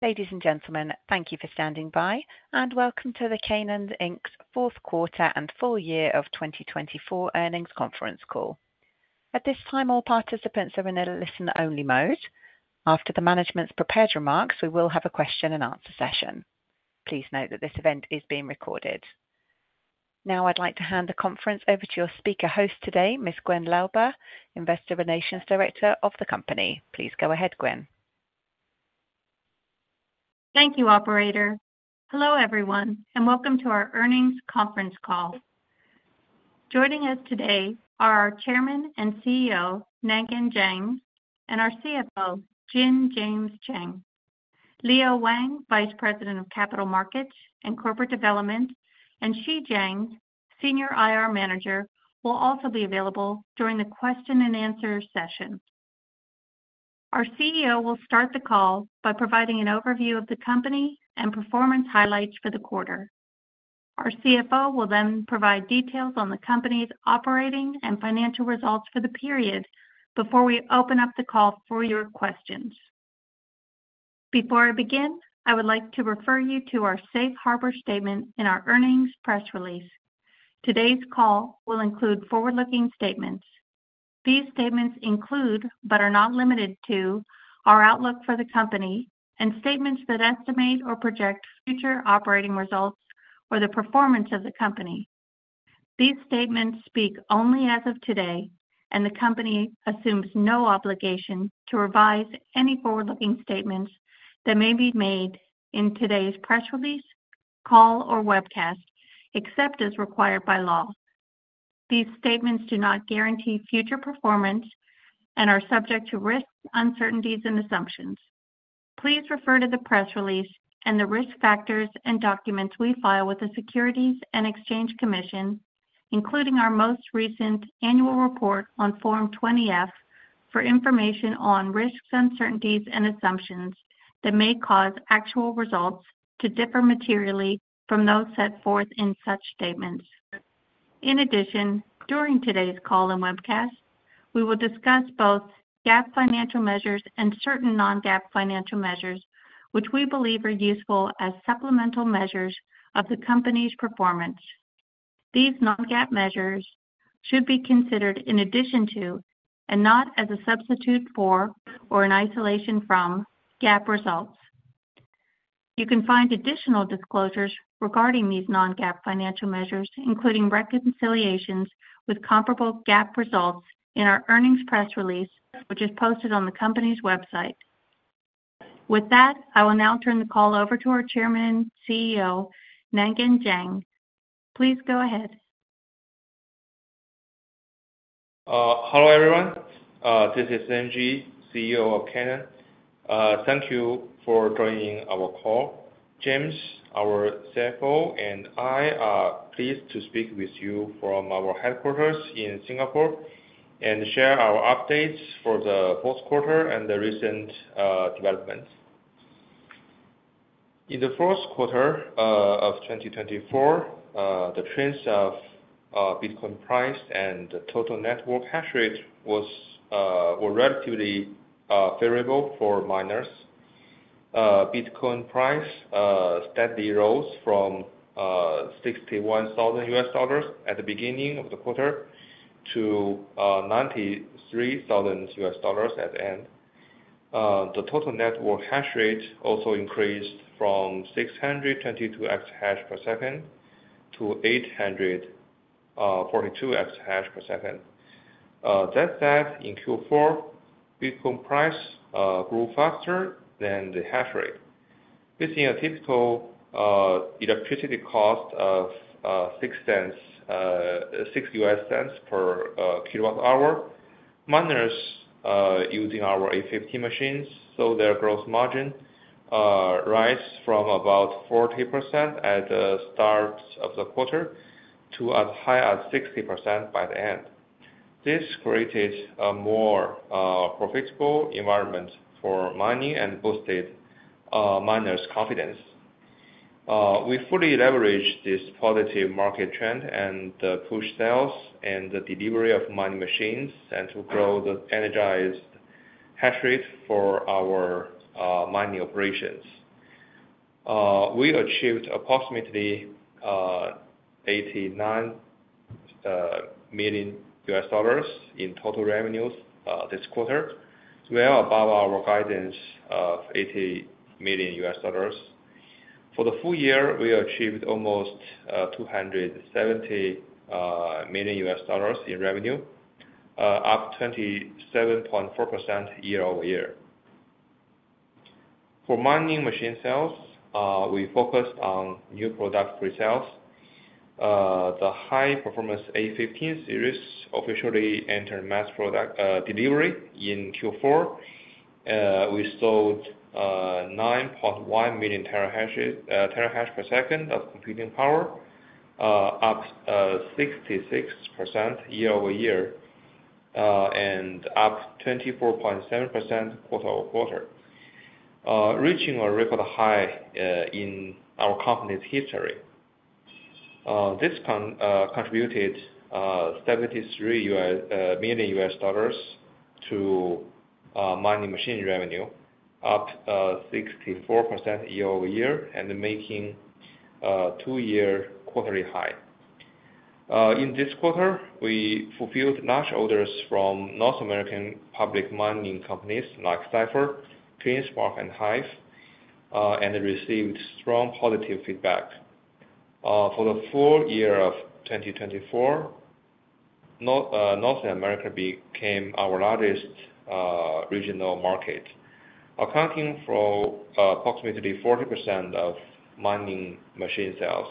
Ladies and gentlemen, thank you for standing by, and Welcome to the Canaan Inc's Fourth Quarter and Full Year of 2024 Earnings Conference Call. At this time, all participants are in a listen-only mode. After the management's prepared remarks, we will have a question-and-answer session. Please note that this event is being recorded. Now, I'd like to hand the conference over to your speaker host today, Ms. Gwyn Lauber, Investor Relations Director of the company. Please go ahead, Gwyn. Thank you, Operator. Hello, everyone, and Welcome to Our Earnings Conference Call. Joining us today are our Chairman and CEO, Nangeng Zhang, and our CFO, James Jin Cheng. Leo Wang, Vice President of Capital Markets and Corporate Development, and Xi Zhang, Senior IR Manager, will also be available during the question-and-answer session. Our CEO will start the call by providing an overview of the company and performance highlights for the quarter. Our CFO will then provide details on the company's operating and financial results for the period before we open up the call for your questions. Before I begin, I would like to refer you to our Safe Harbor statement in our earnings press release. Today's call will include forward-looking statements. These statements include, but are not limited to, our outlook for the company and statements that estimate or project future operating results or the performance of the company. These statements speak only as of today, and the company assumes no obligation to revise any forward-looking statements that may be made in today's press release, call, or webcast, except as required by law. These statements do not guarantee future performance and are subject to risks, uncertainties, and assumptions. Please refer to the press release and the risk factors and documents we file with the Securities and Exchange Commission, including our most recent annual report on Form 20-F, for information on risks, uncertainties, and assumptions that may cause actual results to differ materially from those set forth in such statements. In addition, during today's call and webcast, we will discuss both GAAP financial measures and certain non-GAAP financial measures, which we believe are useful as supplemental measures of the company's performance. These non-GAAP measures should be considered in addition to, and not as a substitute for or in isolation from, GAAP results. You can find additional disclosures regarding these non-GAAP financial measures, including reconciliations with comparable GAAP results, in our earnings press release, which is posted on the company's website. With that, I will now turn the call over to our Chairman and CEO, Nangeng Zhang. Please go ahead. Hello, everyone. This is NZ, CEO of Canaan. Thank you for joining our call. James, our CFO, and I are pleased to speak with you from our headquarters in Singapore and share our updates for the fourth quarter and the recent developments. In the first quarter of 2024, the trends of Bitcoin price and total network hash rate were relatively favorable for miners. Bitcoin price steadily rose from $61,000 at the beginning of the quarter to $93,000 at the end. The total network hash rate also increased from 622 EH/s to 842 EH/s. That said, in Q4, Bitcoin price grew faster than the hash rate. Using a typical electricity cost of $0.06 U.S. cents per kilowatt-hour, miners using our A50 machines saw their gross margin rise from about 40% at the start of the quarter to as high as 60% by the end. This created a more profitable environment for mining and boosted miners' confidence. We fully leveraged this positive market trend and pushed sales and the delivery of mining machines and to grow the energized hash rate for our mining operations. We achieved approximately $89 million in total revenues this quarter, well above our guidance of $80 million. For the full year, we achieved almost $270 million in revenue, up 27.4% year-over-year. For mining machine sales, we focused on new product resales. The high-performance A15 series officially entered mass delivery in Q4. We sold 9.1 million TH/s of computing power, up 66% year-over-year and up 24.7% quarter-over-quarter, reaching a record high in our company's history. This contributed $73 million to mining machine revenue, up 64% year-over-year and making a two-year quarterly high. In this quarter, we fulfilled large orders from North American public mining companies like Cipher, CleanSpark, and Hive, and received strong positive feedback. For the full year of 2024, North America became our largest regional market, accounting for approximately 40% of mining machine sales,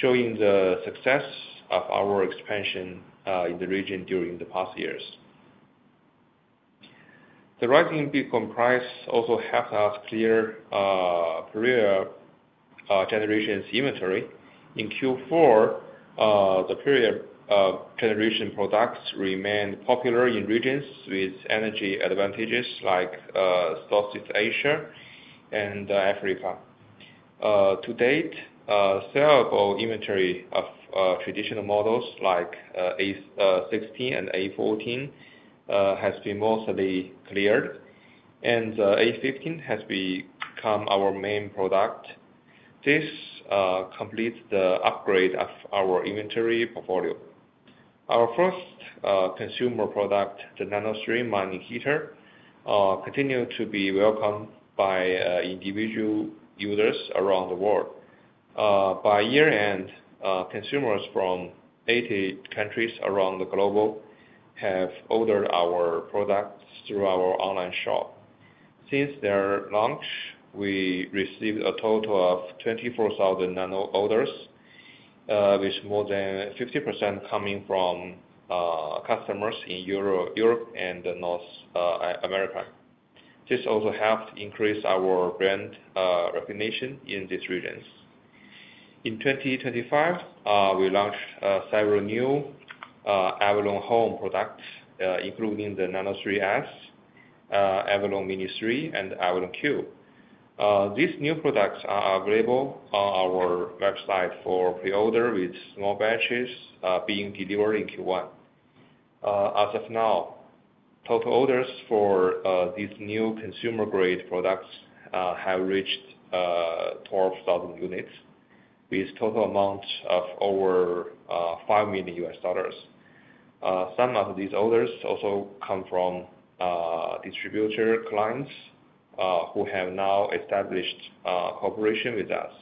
showing the success of our expansion in the region during the past years. The rising Bitcoin price also helped us clear a prior generation's inventory. In Q4, the prior generation products remained popular in regions with energy advantages like Southeast Asia and Africa. To date, saleable inventory of traditional models like A16 and A14 has been mostly cleared, and A15 has become our main product. This completes the upgrade of our inventory portfolio. Our first consumer product, the NanoStream mining heater, continued to be welcomed by individual users around the world. By year-end, consumers from 80 countries around the globe have ordered our products through our online shop. Since their launch, we received a total of 24,000 Nano orders, with more than 50% coming from customers in Europe and North America. This also helped increase our brand recognition in these regions. In 2025, we launched several new Avalon Home products, including the Nano3S, Avalon Mini 3, and Avalon Q. These new products are available on our website for pre-order, with small batches being delivered in Q1. As of now, total orders for these new consumer-grade products have reached 12,000 units, with a total amount of over $5 million. Some of these orders also come from distributor clients who have now established cooperation with us.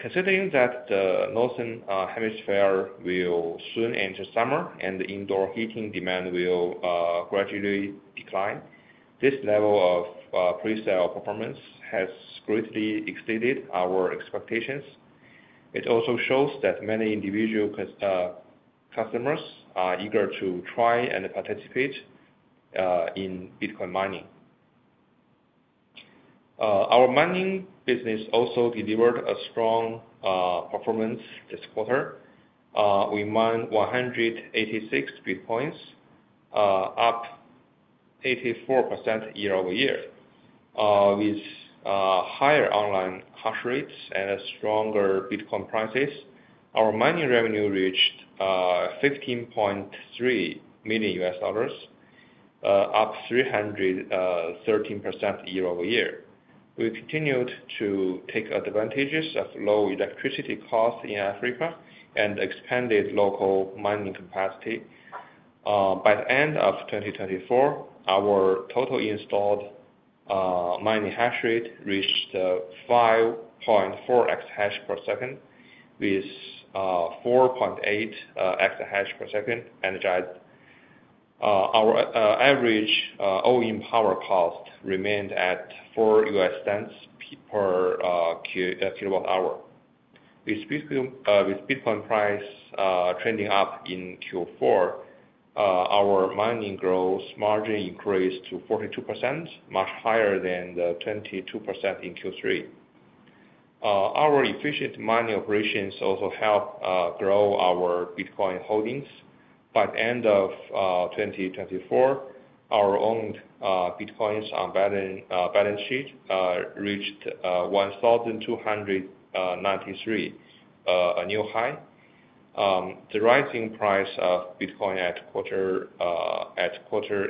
Considering that the northern hemisphere will soon enter summer and indoor heating demand will gradually decline, this level of presale performance has greatly exceeded our expectations. It also shows that many individual customers are eager to try and participate in Bitcoin mining. Our mining business also delivered a strong performance this quarter. We mined 186 Bitcoins, up 84% year-over-year. With higher online hash rates and stronger Bitcoin prices, our mining revenue reached $15.3 million, up 313% year-over-year. We continued to take advantage of low electricity costs in Africa and expanded local mining capacity. By the end of 2024, our total installed mining hash rate reached 5.4 EH/s, with 4.8 EH/s energized. Our average OEM power cost remained at $4 per kilowatt-hour. With Bitcoin price trending up in Q4, our mining gross margin increased to 42%, much higher than the 22% in Q3. Our efficient mining operations also helped grow our Bitcoin holdings. By the end of 2024, our owned Bitcoins on balance sheet reached 1,293, a new high. The rising price of Bitcoin at quarter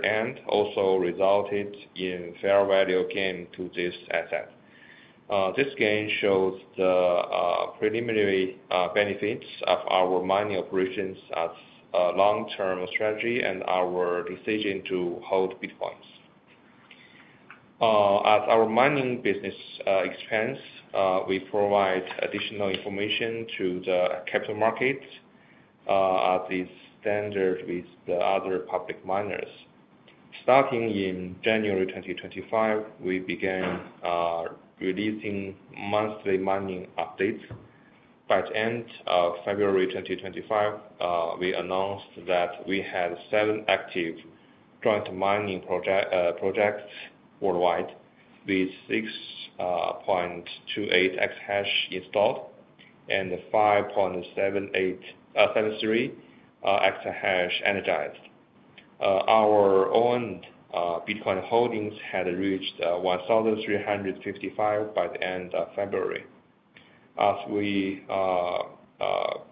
end also resulted in fair value gain to this asset. This gain shows the preliminary benefits of our mining operations as a long-term strategy and our decision to hold Bitcoins. As our mining business expands, we provide additional information to the capital markets as is standard with the other public miners. Starting in January 2025, we began releasing monthly mining updates. By the end of February 2025, we announced that we had seven active joint mining projects worldwide, with 6.28 EH installed and 5.73 EH energized. Our owned Bitcoin holdings had reached 1,355 by the end of February. As we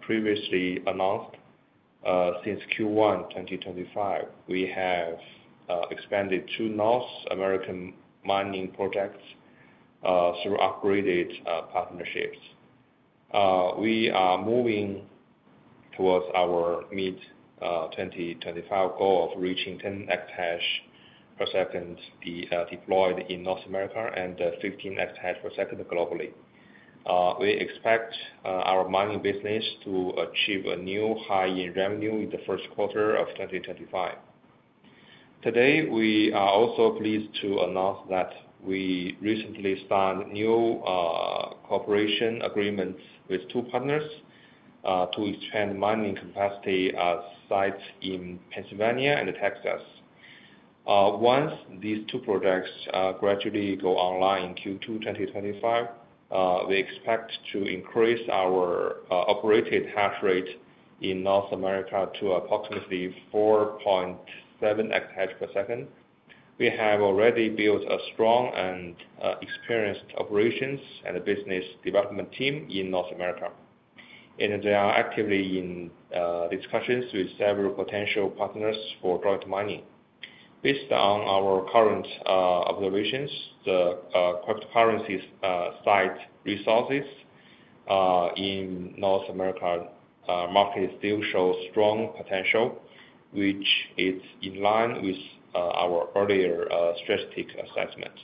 previously announced, since Q1 2025, we have expanded two North American mining projects through upgraded partnerships. We are moving towards our mid-2025 goal of reaching 10 EH/s deployed in North America and 15 EH/s globally. We expect our mining business to achieve a new high in revenue in the first quarter of 2025. Today, we are also pleased to announce that we recently signed new cooperation agreements with two partners to expand mining capacity at sites in Pennsylvania and Texas. Once these two projects gradually go online in Q2 2025, we expect to increase our operated hash rate in North America to approximately 4.7 EH/s. We have already built a strong and experienced operations and business development team in North America, and they are actively in discussions with several potential partners for joint mining. Based on our current observations, the cryptocurrency site resources in the North America market still show strong potential, which is in line with our earlier strategic assessment.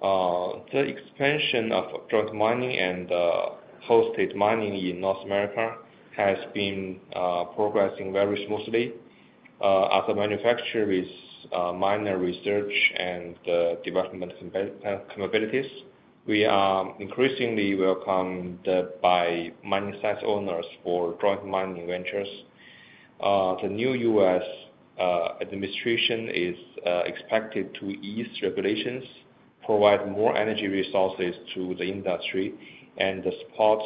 The expansion of joint mining and hosted mining in North America has been progressing very smoothly. As a manufacturer with minor research and development capabilities, we are increasingly welcomed by mining sites owners for joint mining ventures. The new U.S. administration is expected to ease regulations, provide more energy resources to the industry, and support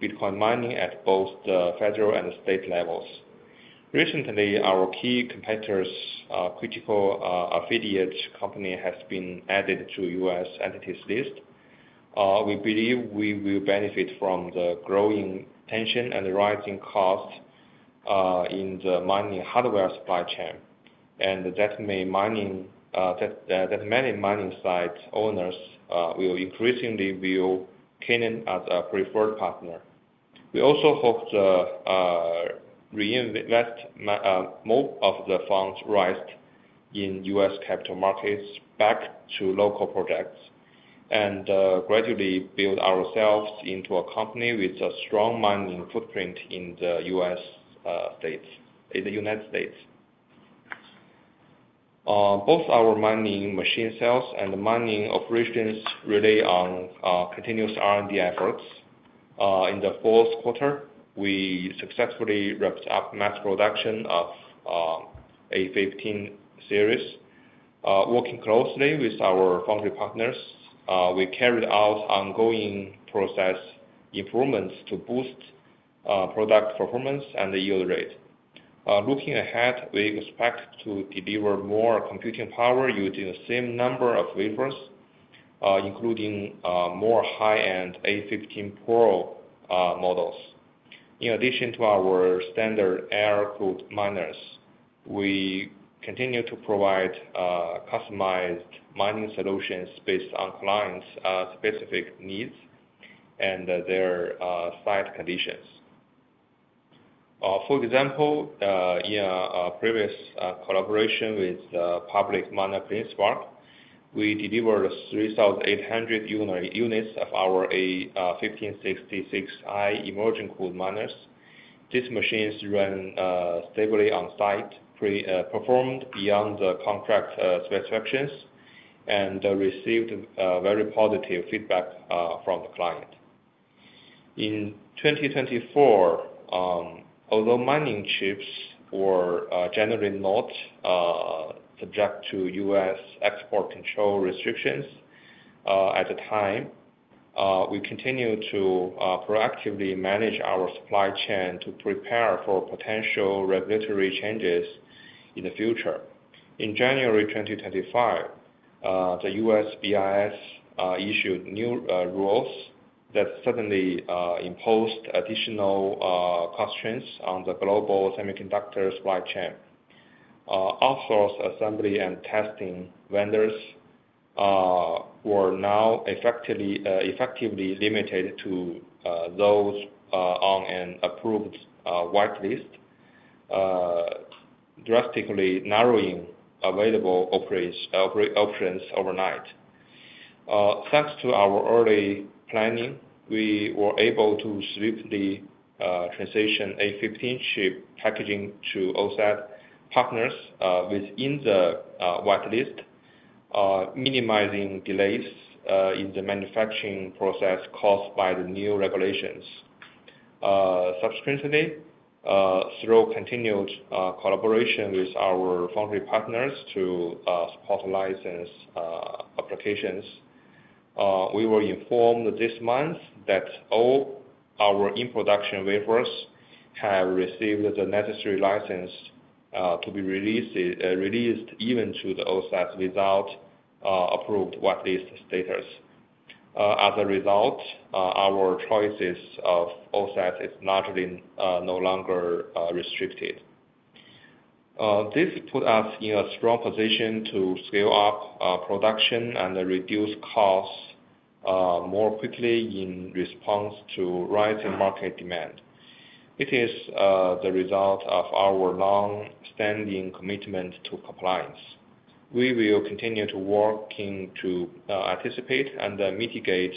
Bitcoin mining at both the federal and state levels. Recently, our key competitor's critical affiliate company has been added to U.S. entities list. We believe we will benefit from the growing tension and rising costs in the mining hardware supply chain, and that many mining site owners will increasingly view Canaan as a preferred partner. We also hope to reinvest more of the funds raised in U.S. capital markets back to local projects and gradually build ourselves into a company with a strong mining footprint in the United States. Both our mining machine sales and mining operations rely on continuous R&D efforts. In the fourth quarter, we successfully wrapped up mass production of A15 series. Working closely with our foundry partners, we carried out ongoing process improvements to boost product performance and yield rate. Looking ahead, we expect to deliver more computing power using the same number of wafers, including more high-end A15 Pro models. In addition to our standard air-cooled miners, we continue to provide customized mining solutions based on clients' specific needs and their site conditions. For example, in a previous collaboration with the public miner CleanSpark, we delivered 3,800 units of our A1566i immersion cooled miners. These machines ran stably on site, performed beyond the contract specifications, and received very positive feedback from the client. In 2024, although mining chips were generally not subject to U.S. export control restrictions at the time, we continue to proactively manage our supply chain to prepare for potential regulatory changes in the future. In January 2025, the U.S. BIS issued new rules that suddenly imposed additional constraints on the global semiconductor supply chain. Outsource assembly and testing vendors were now effectively limited to those on an approved whitelist, drastically narrowing available options overnight. Thanks to our early planning, we were able to swiftly transition A15 chip packaging to OSAT partners within the whitelist, minimizing delays in the manufacturing process caused by the new regulations. Subsequently, through continued collaboration with our foundry partners to support license applications, we were informed this month that all our in-production wafers have received the necessary license to be released even to the OSAT without approved whitelist status. As a result, our choices of OSAT is largely no longer restricted. This put us in a strong position to scale up production and reduce costs more quickly in response to rising market demand. It is the result of our long-standing commitment to compliance. We will continue to work to anticipate and mitigate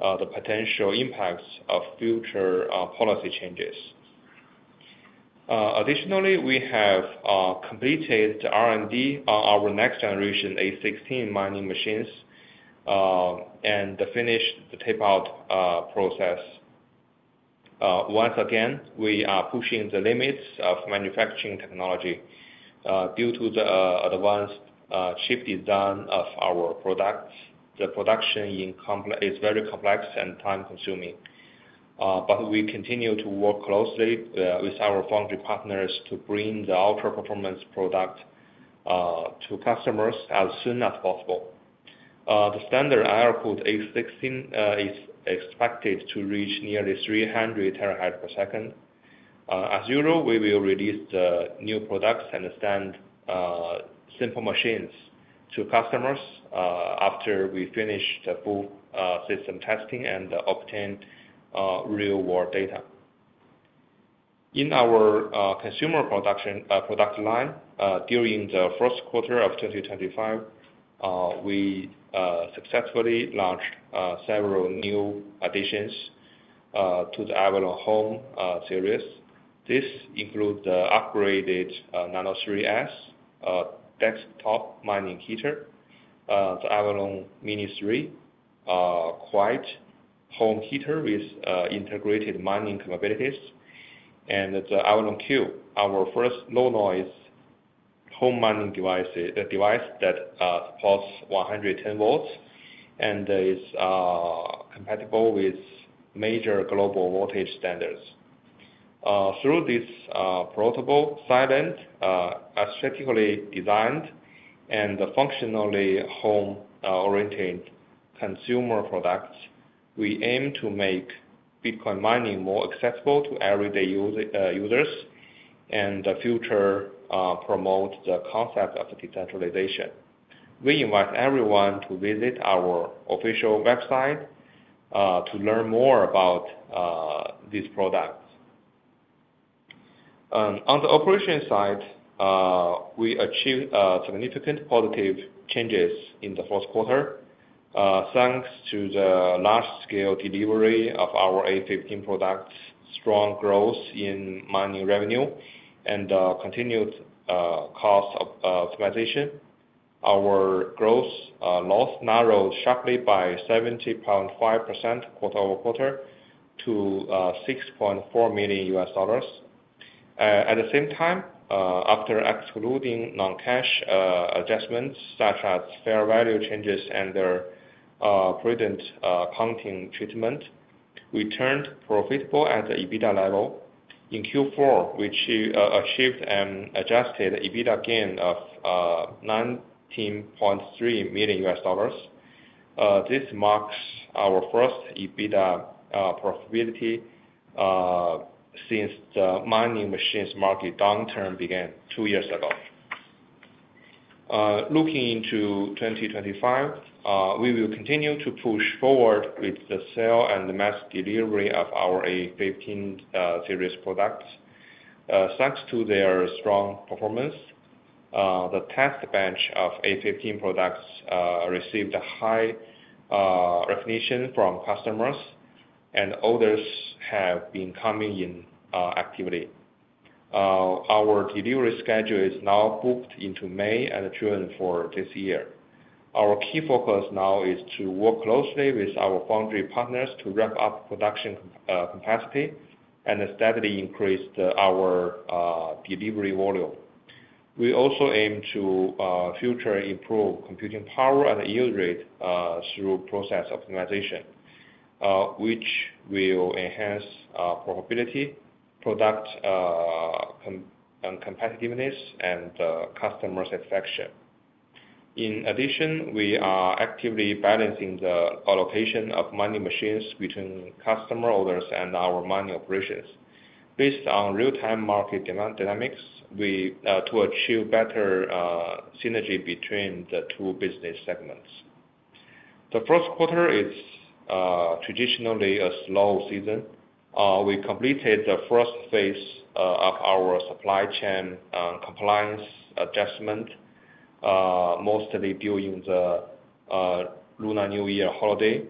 the potential impacts of future policy changes. Additionally, we have completed the R&D on our next generation A16 mining machines and finished the tape-out process. Once again, we are pushing the limits of manufacturing technology. Due to the advanced chip design of our products, the production is very complex and time-consuming. We continue to work closely with our foundry partners to bring the ultra-performance product to customers as soon as possible. The standard air-cooled A16 is expected to reach nearly 300 TH/s. As usual, we will release the new products and the standard simple machines to customers after we finish the full system testing and obtain real-world data. In our consumer product line, during the first quarter of 2025, we successfully launched several new additions to the Avalon Home series. This includes the upgraded Nano3S desktop mining heater, the Avalon Mini 3 Quiet Home heater with integrated mining capabilities, and the Avalon Q, our first low-noise home mining device that supports 110 volts and is compatible with major global voltage standards. Through this portable, silent, aesthetically designed, and functionally home-oriented consumer product, we aim to make Bitcoin mining more accessible to everyday users and, in the future, promote the concept of decentralization. We invite everyone to visit our official website to learn more about these products. On the operation side, we achieved significant positive changes in the fourth quarter thanks to the large-scale delivery of our A15 products, strong growth in mining revenue, and continued cost optimization. Our gross loss narrowed sharply by 70.5% quarter-over-quarter to $6.4 million. At the same time, after excluding non-cash adjustments such as fair value changes and their prudent accounting treatment, we turned profitable at the EBITDA level. In Q4, we achieved an adjusted EBITDA gain of $19.3 million. This marks our first EBITDA profitability since the mining machines market downturn began two years ago. Looking into 2025, we will continue to push forward with the sale and mass delivery of our A15 series products. Thanks to their strong performance, the test bench of A15 products received high recognition from customers, and orders have been coming in actively. Our delivery schedule is now booked into May and June for this year. Our key focus now is to work closely with our foundry partners to ramp up production capacity and steadily increase our delivery volume. We also aim to further improve computing power and yield rate through process optimization, which will enhance profitability, product competitiveness, and customer satisfaction. In addition, we are actively balancing the allocation of mining machines between customer orders and our mining operations. Based on real-time market dynamics, we aim to achieve better synergy between the two business segments. The first quarter is traditionally a slow season. We completed the first phase of our supply chain compliance adjustment, mostly during the Lunar New Year holiday.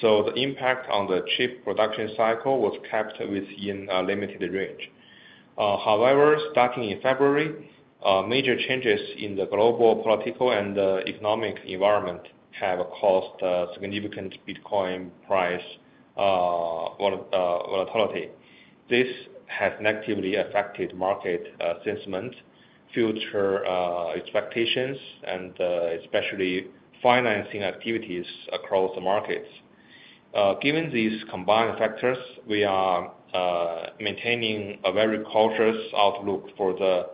The impact on the chip production cycle was kept within a limited range. However, starting in February, major changes in the global political and economic environment have caused significant Bitcoin price volatility. This has negatively affected market assessment, future expectations, and especially financing activities across the markets. Given these combined factors, we are maintaining a very cautious outlook for the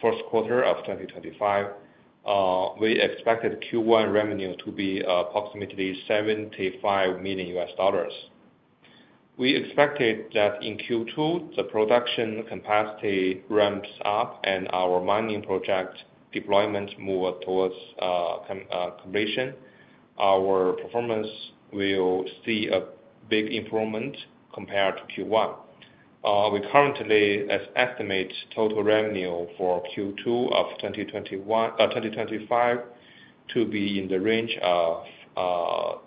first quarter of 2025. We expected Q1 revenue to be approximately $75 million. We expected that in Q2, the production capacity ramps up and our mining project deployment moves towards completion. Our performance will see a big improvement compared to Q1. We currently estimate total revenue for Q2 of 2025 to be in the range of $120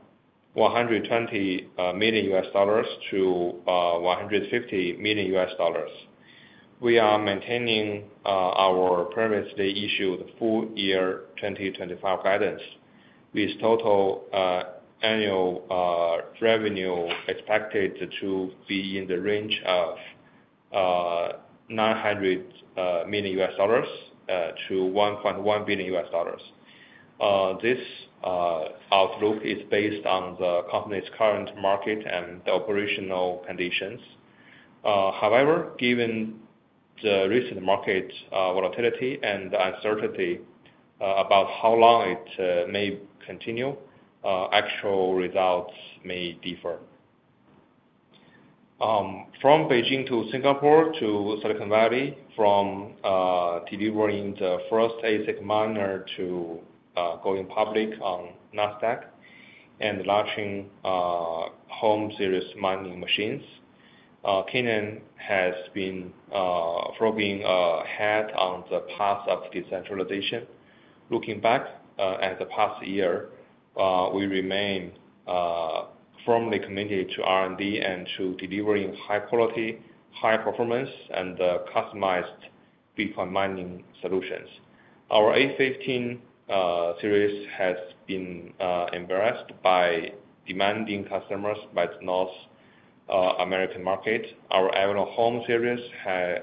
million-$150 million. We are maintaining our previously issued full year 2025 guidance, with total annual revenue expected to be in the range of $900 million-$1.1 billion. This outlook is based on the company's current market and the operational conditions. However, given the recent market volatility and the uncertainty about how long it may continue, actual results may differ. From Beijing to Singapore to Silicon Valley, from delivering the first ASIC miner to going public on NASDAQ and launching Home Series mining machines, Canaan has been probing ahead on the path of decentralization. Looking back at the past year, we remain firmly committed to R&D and to delivering high quality, high performance, and customized Bitcoin mining solutions. Our A15 series has been embraced by demanding customers by the North American market. Our Avalon Home series,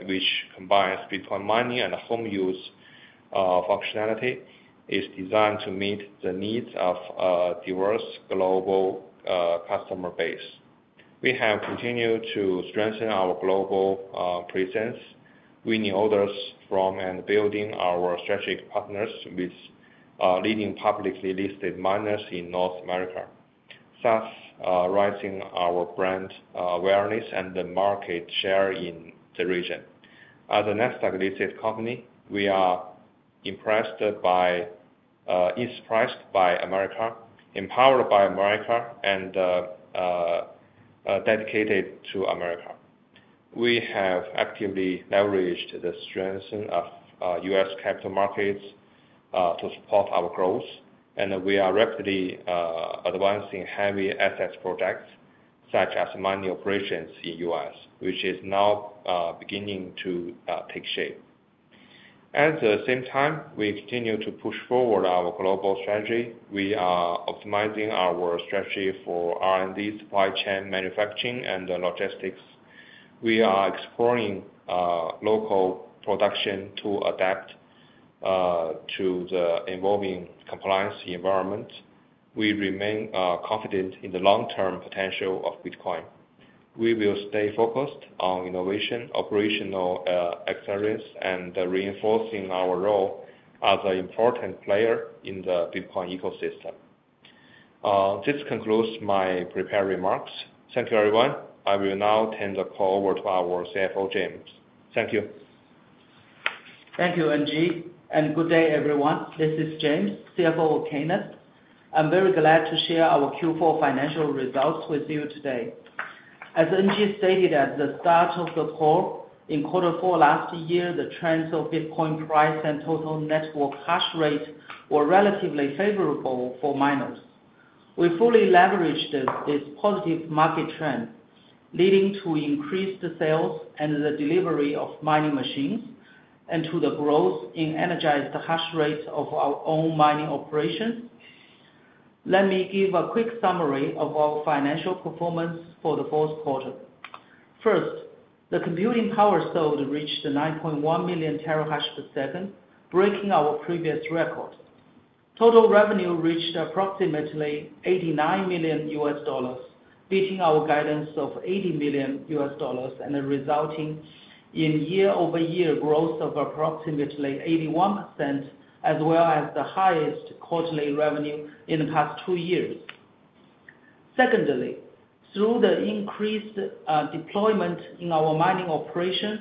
which combines Bitcoin mining and home use functionality, is designed to meet the needs of a diverse global customer base. We have continued to strengthen our global presence. We need orders from and building our strategic partners with leading publicly listed miners in North America, thus raising our brand awareness and the market share in the region. As a NASDAQ-listed company, we are impressed by, inspired by America, empowered by America, and dedicated to America. We have actively leveraged the strength of U.S. capital markets to support our growth, and we are rapidly advancing heavy assets projects such as mining operations in the U.S., which is now beginning to take shape. At the same time, we continue to push forward our global strategy. We are optimizing our strategy for R&D, supply chain, manufacturing, and logistics. We are exploring local production to adapt to the evolving compliance environment. We remain confident in the long-term potential of Bitcoin. We will stay focused on innovation, operational excellence, and reinforcing our role as an important player in the Bitcoin ecosystem. This concludes my prepared remarks. Thank you, everyone. I will now turn the call over to our CFO, James. Thank you. Thank you, NZ. And good day, everyone. This is James, CFO of Canaan. I'm very glad to share our Q4 financial results with you today. As Ng stated at the start of the call, in quarter four last year, the trends of Bitcoin price and total network hash rate were relatively favorable for miners. We fully leveraged this positive market trend, leading to increased sales and the delivery of mining machines and to the growth in energized hash rate of our own mining operations. Let me give a quick summary of our financial performance for the fourth quarter. First, the computing power sold reached 9.1 million TH/s, breaking our previous record. Total revenue reached approximately $89 million, beating our guidance of $80 million and resulting in year-over-year growth of approximately 81%, as well as the highest quarterly revenue in the past two years. Secondly, through the increased deployment in our mining operations,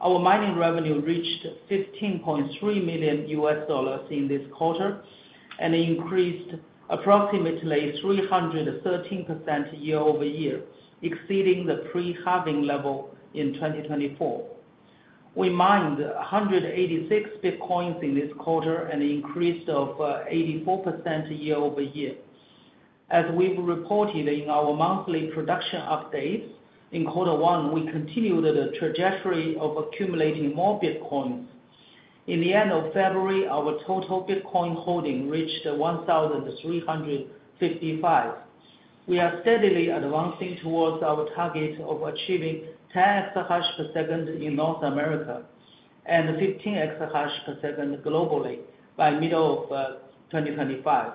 our mining revenue reached $15.3 million in this quarter and increased approximately 313% year-over-year, exceeding the pre-halving level in 2024. We mined 186 bitcoins in this quarter and increased of 84% year-over-year. As we've reported in our monthly production updates, in quarter one, we continued the trajectory of accumulating more bitcoins. In the end of February, our total bitcoin holding reached 1,355. We are steadily advancing towards our target of achieving 10 EH/s in North America and 15 EH/s globally by middle of 2025.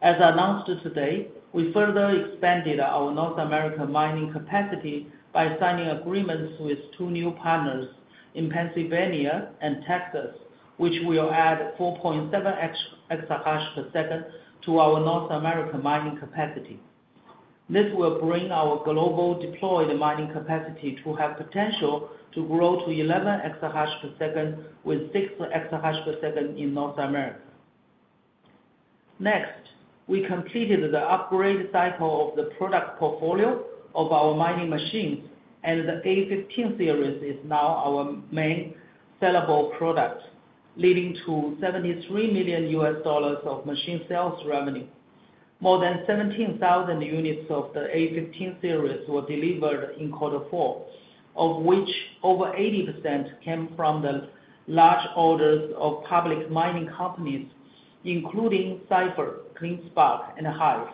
As announced today, we further expanded our North America mining capacity by signing agreements with two new partners in Pennsylvania and Texas, which will add 4.7 EH/s to our North America mining capacity. This will bring our global deployed mining capacity to have potential to grow to 11 EH/s with 6 EH/s in North America. Next, we completed the upgrade cycle of the product portfolio of our mining machines, and the A15 series is now our main sellable product, leading to $73 million of machine sales revenue. More than 17,000 units of the A15 series were delivered in quarter four, of which over 80% came from the large orders of public mining companies, including Cipher, CleanSpark, and Hive.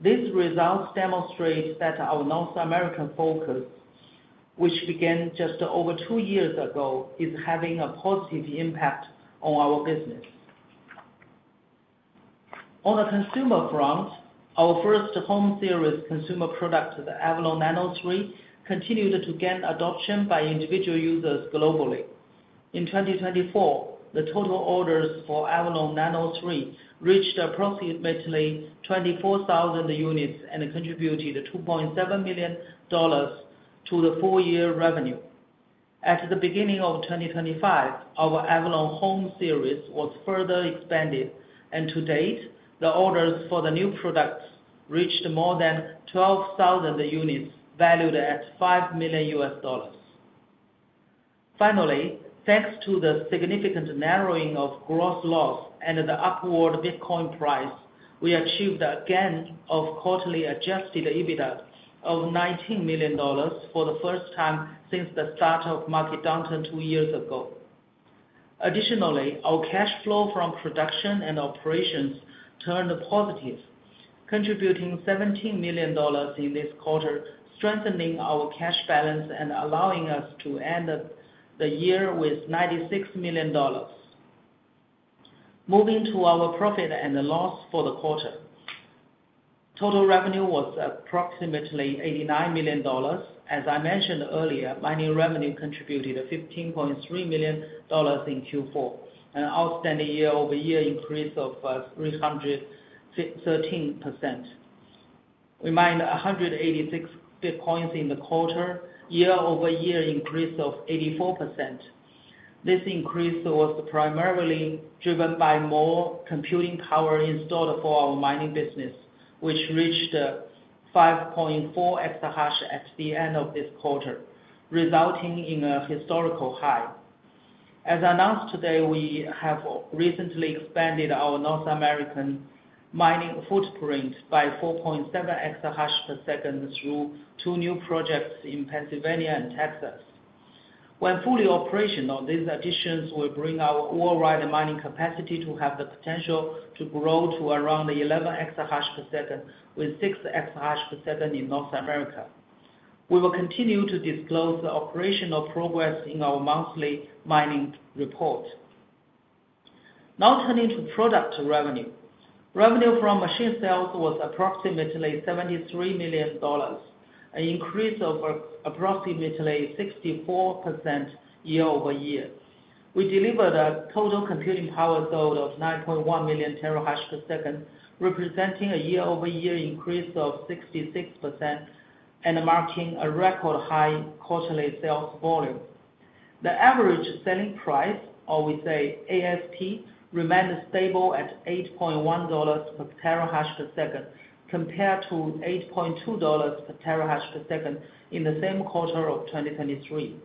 These results demonstrate that our North American focus, which began just over two years ago, is having a positive impact on our business. On the consumer front, our first Home Series consumer product, the Avalon Nano 3, continued to gain adoption by individual users globally. In 2024, the total orders for Avalon Nano 3 reached approximately 24,000 units and contributed $2.7 million to the full year revenue. At the beginning of 2025, our Avalon Home series was further expanded, and to date, the orders for the new products reached more than 12,000 units valued at $5 million. Finally, thanks to the significant narrowing of gross loss and the upward Bitcoin price, we achieved a gain of quarterly adjusted EBITDA of $19 million for the first time since the start of market downturn two years ago. Additionally, our cash flow from production and operations turned positive, contributing $17 million in this quarter, strengthening our cash balance and allowing us to end the year with $96 million. Moving to our profit and loss for the quarter, total revenue was approximately $89 million. As I mentioned earlier, mining revenue contributed $15.3 million in Q4, an outstanding year-over-year increase of 313%. We mined 186 bitcoins in the quarter, year-over-year increase of 84%. This increase was primarily driven by more computing power installed for our mining business, which reached 5.4 EH at the end of this quarter, resulting in a historical high. As announced today, we have recently expanded our North American mining footprint by 4.7 EH/s through two new projects in Pennsylvania and Texas. When fully operational, these additions will bring our worldwide mining capacity to have the potential to grow to around 11 EH/s, with 6 EH/s in North America. We will continue to disclose the operational progress in our monthly mining report. Now turning to product revenue. Revenue from machine sales was approximately $73 million, an increase of approximately 64% year-over-year. We delivered a total computing power sold of 9.1 million TH/s, representing a year-over-year increase of 66% and marking a record high quarterly sales volume. The average selling price, or we say ASP, remained stable at $8.1 per TH/s compared to $8.2 per TH/s in the same quarter of 2023.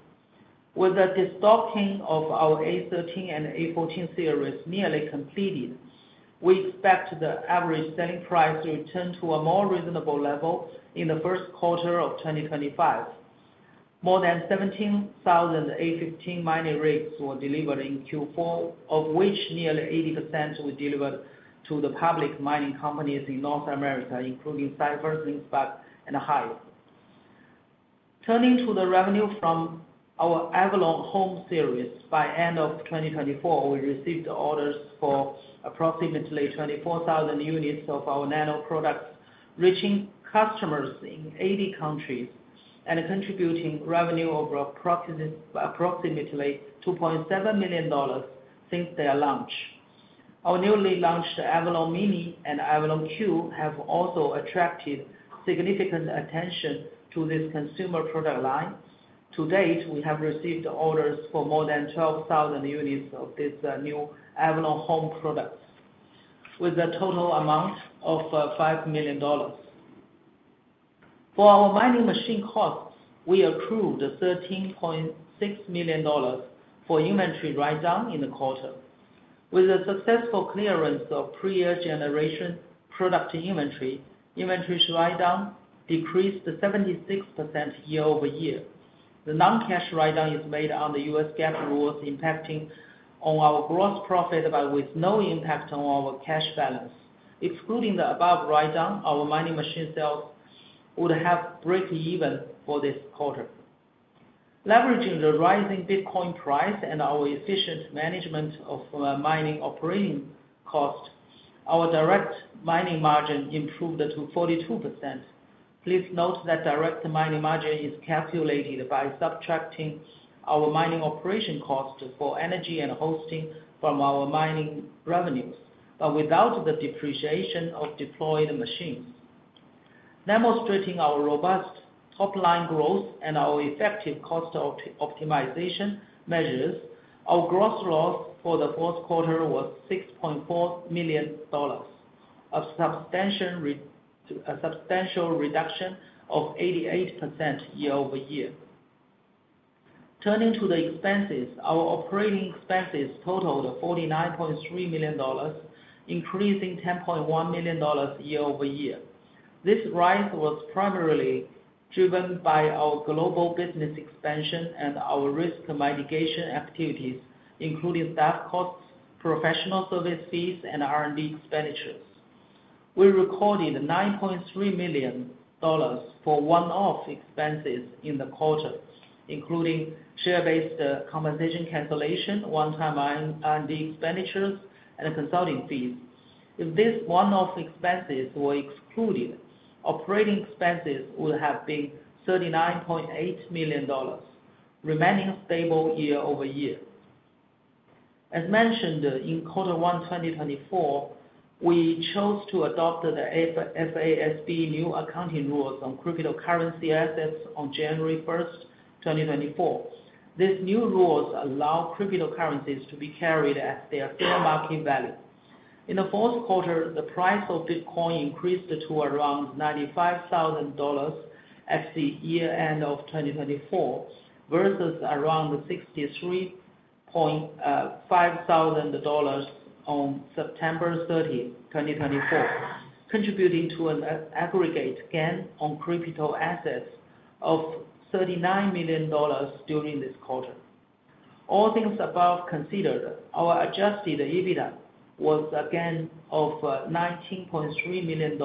With the destocking of our A13 and A14 series nearly completed, we expect the average selling price to return to a more reasonable level in the first quarter of 2025. More than 17,000 A15 mining rigs were delivered in Q4, of which nearly 80% were delivered to the public mining companies in North America, including Cipher, CleanSpark, and Hive. Turning to the revenue from our Avalon Home series, by end of 2024, we received orders for approximately 24,000 units of our Nano products, reaching customers in 80 countries and contributing revenue of approximately $2.7 million since their launch. Our newly launched Avalon Mini and Avalon Q have also attracted significant attention to this consumer product line. To date, we have received orders for more than 12,000 units of these new Avalon Home products, with a total amount of $5 million. For our mining machine costs, we accrued $13.6 million for inventory write-down in the quarter. With the successful clearance of pre-year generation product inventory, inventory write-down decreased 76% year-over-year. The non-cash write-down is made on the U.S. GAAP rules, impacting our gross profit but with no impact on our cash balance. Excluding the above write-down, our mining machine sales would have breakeven for this quarter. Leveraging the rising Bitcoin price and our efficient management of mining operating cost, our direct mining margin improved to 42%. Please note that direct mining margin is calculated by subtracting our mining operation cost for energy and hosting from our mining revenues, but without the depreciation of deployed machines. Demonstrating our robust top-line growth and our effective cost optimization measures, our gross loss for the fourth quarter was $6.4 million, a substantial reduction of 88% year-over-year. Turning to the expenses, our operating expenses totaled $49.3 million, increasing $10.1 million year-over-year. This rise was primarily driven by our global business expansion and our risk mitigation activities, including staff costs, professional service fees, and R&D expenditures. We recorded $9.3 million for one-off expenses in the quarter, including share-based compensation cancellation, one-time R&D expenditures, and consulting fees. If these one-off expenses were excluded, operating expenses would have been $39.8 million, remaining stable year-over-year. As mentioned in quarter one 2024, we chose to adopt the FASB new accounting rules on cryptocurrency assets on January 1, 2024. These new rules allow cryptocurrencies to be carried as their fair market value. In the fourth quarter, the price of Bitcoin increased to around $95,000 at the year-end of 2024 versus around $63,500 on September 30, 2024, contributing to an aggregate gain on crypto assets of $39 million during this quarter. All things above considered, our adjusted EBITDA was a gain of $19.3 million.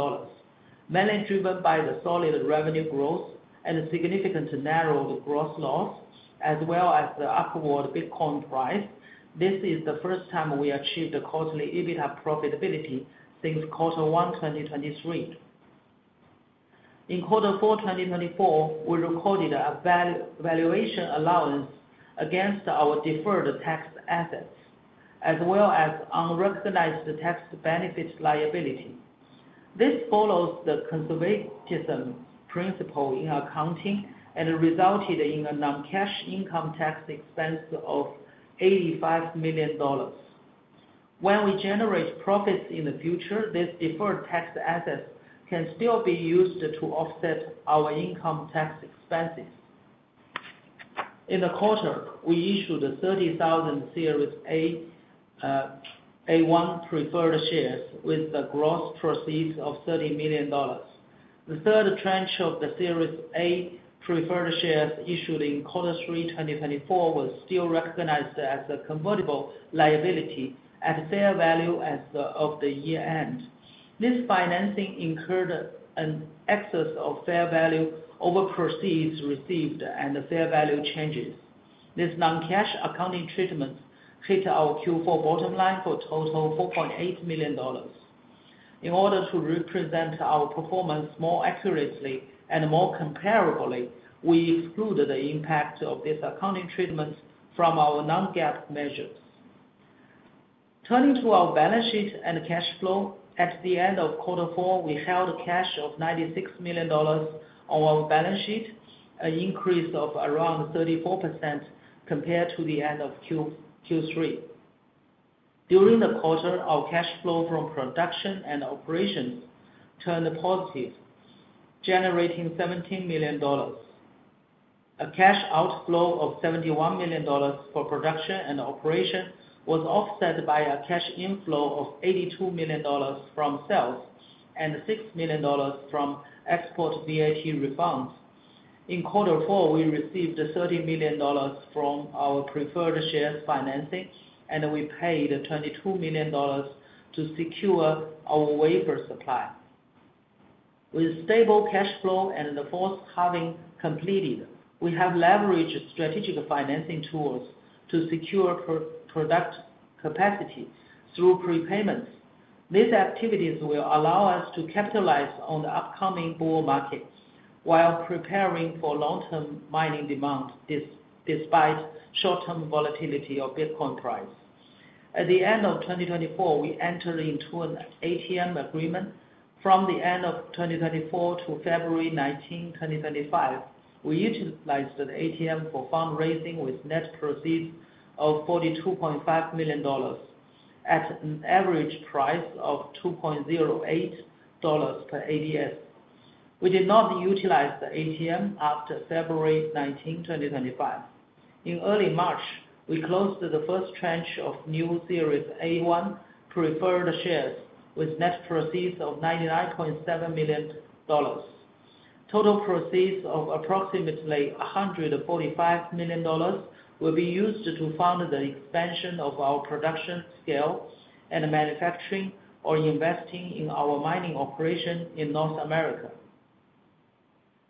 Mainly driven by the solid revenue growth and significant narrowed gross loss, as well as the upward Bitcoin price, this is the first time we achieved quarterly EBITDA profitability since quarter one 2023. In quarter four 2024, we recorded a valuation allowance against our deferred tax assets, as well as unrecognized tax benefit liability. This follows the conservatism principle in accounting and resulted in a non-cash income tax expense of $85 million. When we generate profits in the future, these deferred tax assets can still be used to offset our income tax expenses. In the quarter, we issued 30,000 Series A1 preferred shares with a gross proceeds of $30 million. The third tranche of the Series A preferred shares issued in quarter three 2024 was still recognized as a convertible liability at fair value as of the year-end. This financing incurred an excess of fair value over proceeds received and fair value changes. This non-cash accounting treatment hit our Q4 bottom line for a total of $4.8 million. In order to represent our performance more accurately and more comparably, we excluded the impact of this accounting treatment from our non-GAAP measures. Turning to our balance sheet and cash flow, at the end of quarter four, we held cash of $96 million on our balance sheet, an increase of around 34% compared to the end of Q3. During the quarter, our cash flow from production and operations turned positive, generating $17 million. A cash outflow of $71 million for production and operation was offset by a cash inflow of $82 million from sales and $6 million from export VAT refunds. In quarter four, we received $30 million from our preferred shares financing, and we paid $22 million to secure our waiver supply. With stable cash flow and the fourth halving completed, we have leveraged strategic financing tools to secure product capacity through prepayments. These activities will allow us to capitalize on the upcoming bull markets while preparing for long-term mining demand despite short-term volatility of Bitcoin price. At the end of 2024, we entered into an ATM agreement. From the end of 2024 to February 19, 2025, we utilized the ATM for fundraising with net proceeds of $42.5 million at an average price of $2.08 per ADS. We did not utilize the ATM after February 19, 2025. In early March, we closed the first tranche of new Series A1 preferred shares with net proceeds of $99.7 million. Total proceeds of approximately $145 million will be used to fund the expansion of our production scale and manufacturing or investing in our mining operation in North America.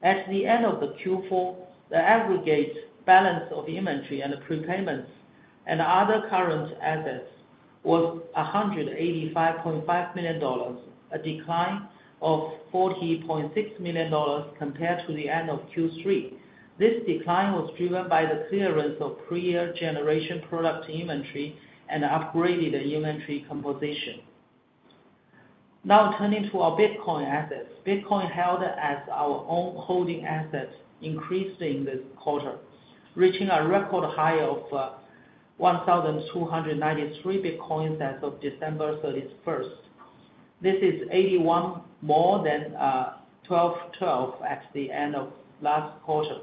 At the end of Q4, the aggregate balance of inventory and prepayments and other current assets was $185.5 million, a decline of $40.6 million compared to the end of Q3. This decline was driven by the clearance of pre-year generation product inventory and upgraded inventory composition. Now turning to our Bitcoin assets, Bitcoin held as our own holding asset increased in this quarter, reaching a record high of 1,293 Bitcoins as of December 31. This is 81 more than 1,212 at the end of last quarter.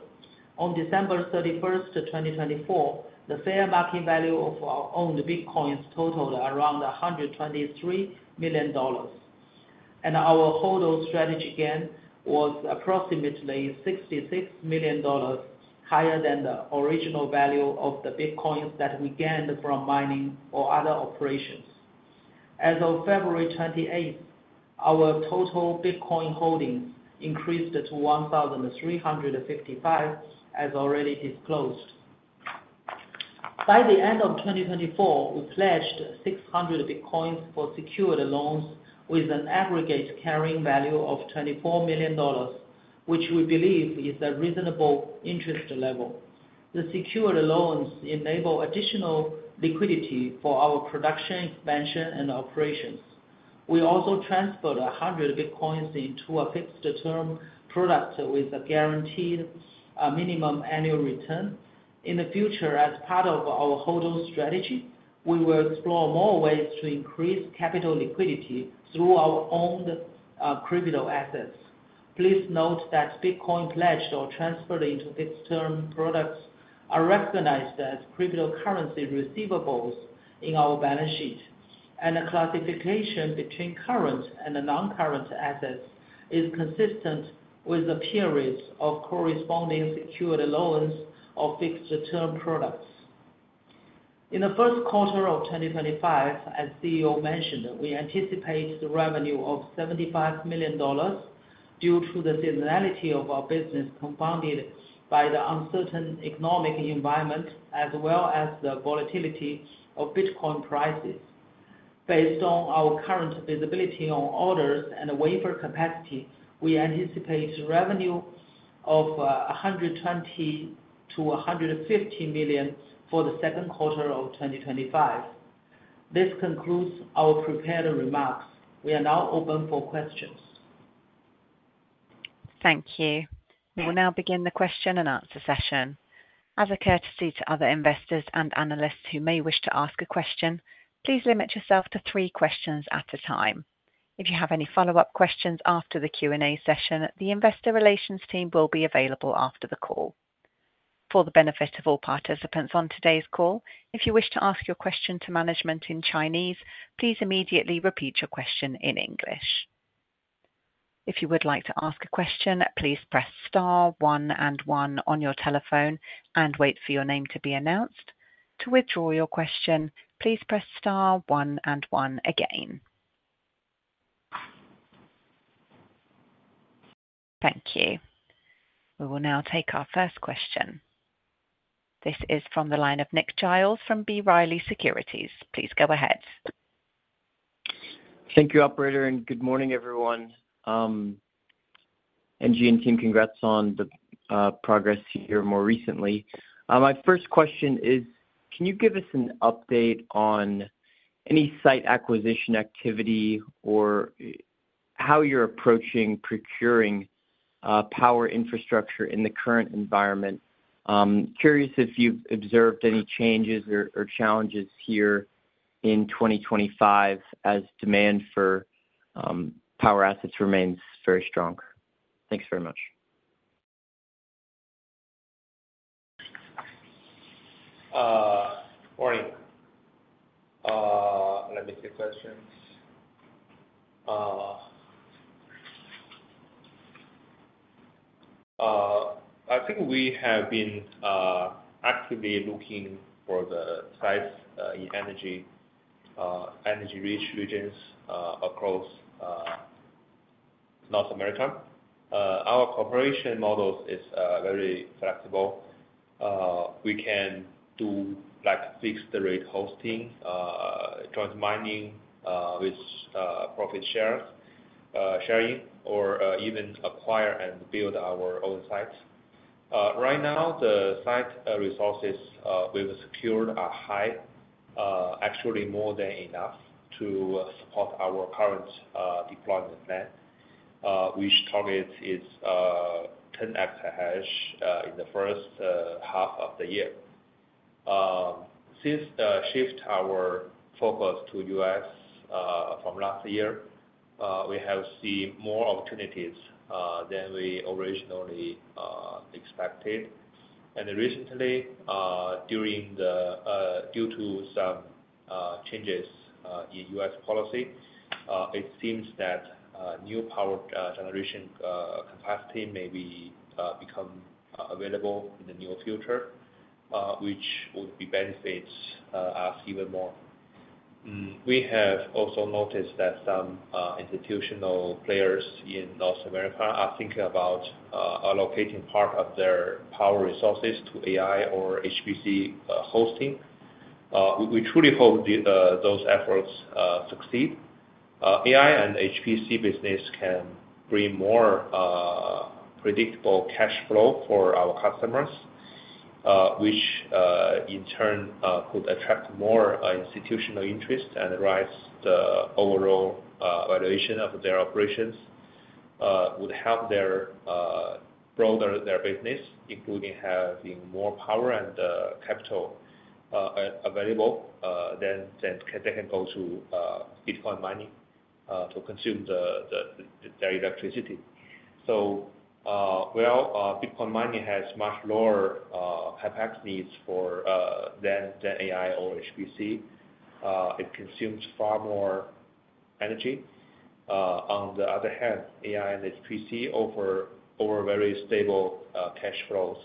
On December 31, 2024, the fair market value of our owned Bitcoins totaled around $123 million, and our hold-on strategy gain was approximately $66 million, higher than the original value of the Bitcoins that we gained from mining or other operations. As of February 28, our total Bitcoin holdings increased to 1,355, as already disclosed. By the end of 2024, we pledged 600 Bitcoins for secured loans with an aggregate carrying value of $24 million, which we believe is a reasonable interest level. The secured loans enable additional liquidity for our production expansion and operations. We also transferred 100 Bitcoins into a fixed-term product with a guaranteed minimum annual return. In the future, as part of our hold-on strategy, we will explore more ways to increase capital liquidity through our owned crypto assets. Please note that Bitcoin pledged or transferred into fixed-term products are recognized as cryptocurrency receivables in our balance sheet, and the classification between current and non-current assets is consistent with the periods of corresponding secured loans or fixed-term products. In the first quarter of 2025, as CEO mentioned, we anticipate the revenue of $75 million due to the seasonality of our business compounded by the uncertain economic environment, as well as the volatility of Bitcoin prices. Based on our current visibility on orders and waiver capacity, we anticipate revenue of $120-$150 million for the second quarter of 2025. This concludes our prepared remarks. We are now open for questions. Thank you. We will now begin the question and answer session. As a courtesy to other investors and analysts who may wish to ask a question, please limit yourself to three questions at a time. If you have any follow-up questions after the Q&A session, the investor relations team will be available after the call. For the benefit of all participants on today's call, if you wish to ask your question to management in Chinese, please immediately repeat your question in English. If you would like to ask a question, please press star, one, and one on your telephone and wait for your name to be announced. To withdraw your question, please press star, one, and one again. Thank you. We will now take our first question. This is from the line of Nick Giles from B. Riley Securities. Please go ahead. Thank you, Operator, and good morning, everyone. NZ and team, congrats on the progress here more recently. My first question is, can you give us an update on any site acquisition activity or how you're approaching procuring power infrastructure in the current environment? Curious if you've observed any changes or challenges here in 2025 as demand for power assets remains very strong. Thanks very much. Morning. Let me take questions. I think we have been actively looking for the sites in energy-rich regions across North America. Our corporation model is very flexible. We can do fixed-rate hosting, joint mining with profit sharing, or even acquire and build our own sites. Right now, the site resources we've secured are high, actually more than enough to support our current deployment plan, which targets its 10 EH in the first half of the year. Since the shift of our focus to the U.S. from last year, we have seen more opportunities than we originally expected. Recently, due to some changes in U.S. policy, it seems that new power generation capacity may become available in the near future, which would benefit us even more. We have also noticed that some institutional players in North America are thinking about allocating part of their power resources to AI or HPC hosting. We truly hope those efforts succeed. AI and HPC business can bring more predictable cash flow for our customers, which in turn could attract more institutional interest and raise the overall valuation of their operations, would help broaden their business, including having more power and capital available than they can go to Bitcoin mining to consume their electricity. While Bitcoin mining has much lower CapEx needs than AI or HPC, it consumes far more energy. On the other hand, AI and HPC offer very stable cash flows.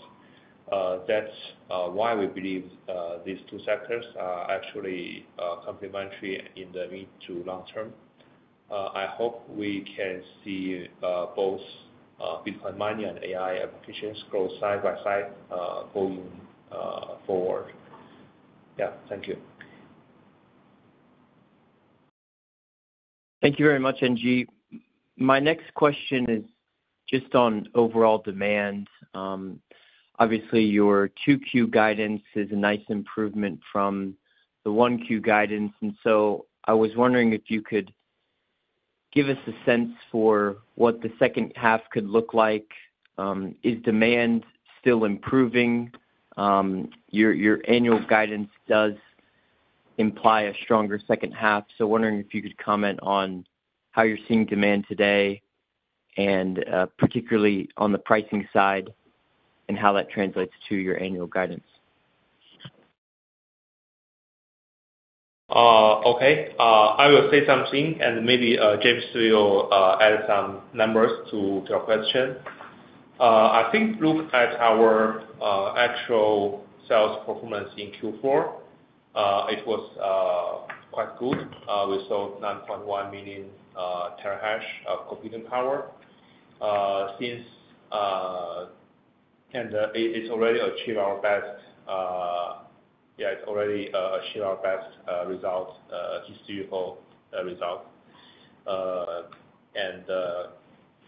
That's why we believe these two sectors are actually complementary in the mid to long term. I hope we can see both Bitcoin mining and AI applications grow side by side going forward. Yeah, thank you. Thank you very much, NZ. My next question is just on overall demand. Obviously, your 2Q guidance is a nice improvement from the 1Q guidance. I was wondering if you could give us a sense for what the second half could look like. Is demand still improving? Your annual guidance does imply a stronger second half. Wondering if you could comment on how you're seeing demand today, and particularly on the pricing side, and how that translates to your annual guidance. Okay. I will say something, and maybe James will add some numbers to your question. I think look at our actual sales performance in Q4. It was quite good. We sold 9.1 million TH of computing power. It's already achieved our best. Yeah, it's already achieved our best result, historical result.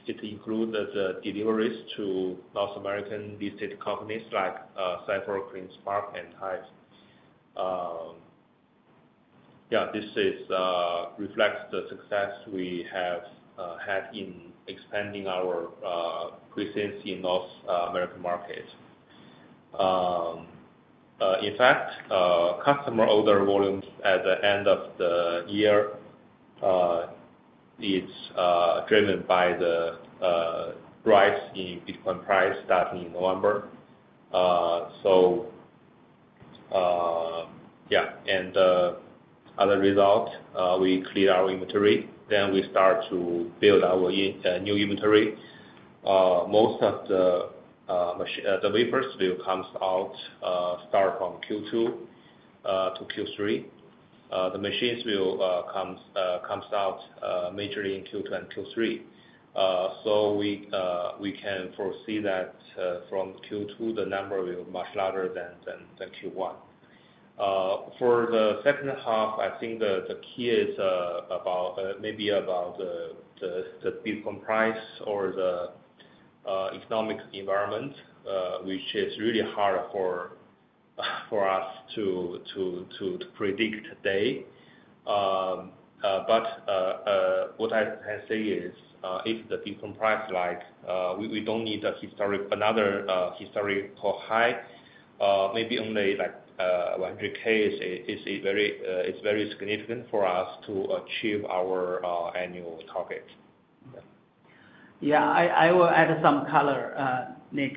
It included the deliveries to North American listed companies like Cipher, CleanSpark, and Hive. Yeah, this reflects the success we have had in expanding our presence in the North America market. In fact, customer order volumes at the end of the year are driven by the rise in Bitcoin price starting in November. Yeah, as a result, we clear our inventory. We start to build our new inventory. Most of the waivers will come out start from Q2 to Q3. The machines will come out majorly in Q2 and Q3. We can foresee that from Q2, the number will be much larger than Q1. For the second half, I think the key is maybe about the Bitcoin price or the economic environment, which is really hard for us to predict today. What I can say is if the Bitcoin price rises, we do not need another historical high. Maybe only $100,000 is very significant for us to achieve our annual target. I will add some color, Nick.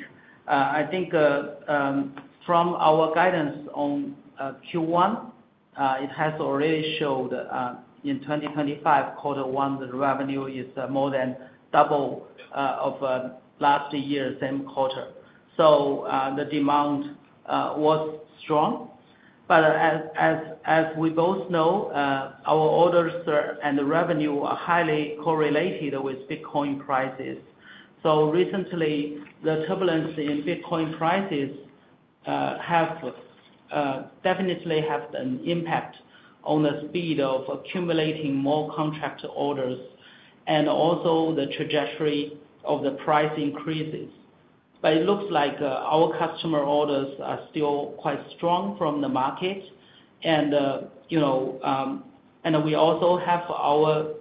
I think from our guidance on Q1, it has already showed in 2025, quarter one, the revenue is more than double of last year, same quarter. The demand was strong. As we both know, our orders and the revenue are highly correlated with Bitcoin prices. Recently, the turbulence in Bitcoin prices definitely has an impact on the speed of accumulating more contract orders and also the trajectory of the price increases. It looks like our customer orders are still quite strong from the market. We also have our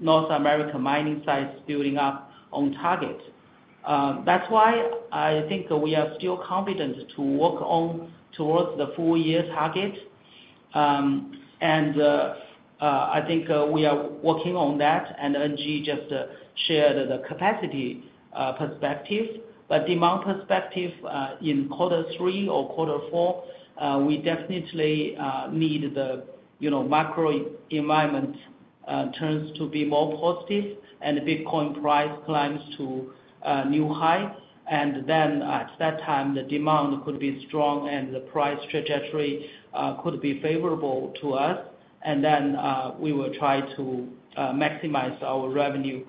North America mining sites building up on target. That is why I think we are still confident to work towards the full-year target. I think we are working on that. NZ just shared the capacity perspective. From the demand perspective in quarter three or quarter four, we definitely need the macro environment to turn to be more positive and Bitcoin price to climb to a new high. At that time, the demand could be strong and the price trajectory could be favorable to us. We will try to maximize our revenue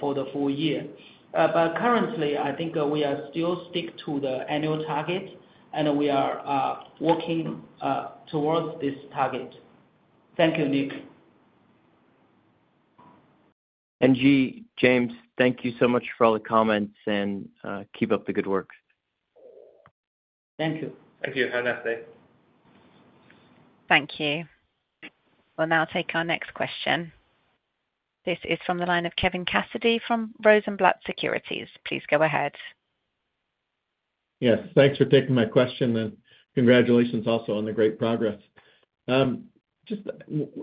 for the full year. Currently, I think we are still sticking to the annual target, and we are working towards this target. Thank you, Nick. NZ, James, thank you so much for all the comments, and keep up the good work. Thank you. Thank you. Have a nice day. Thank you. We'll now take our next question. This is from the line of Kevin Cassidy from Rosenblatt Securities. Please go ahead. Yes, thanks for taking my question, and congratulations also on the great progress. Just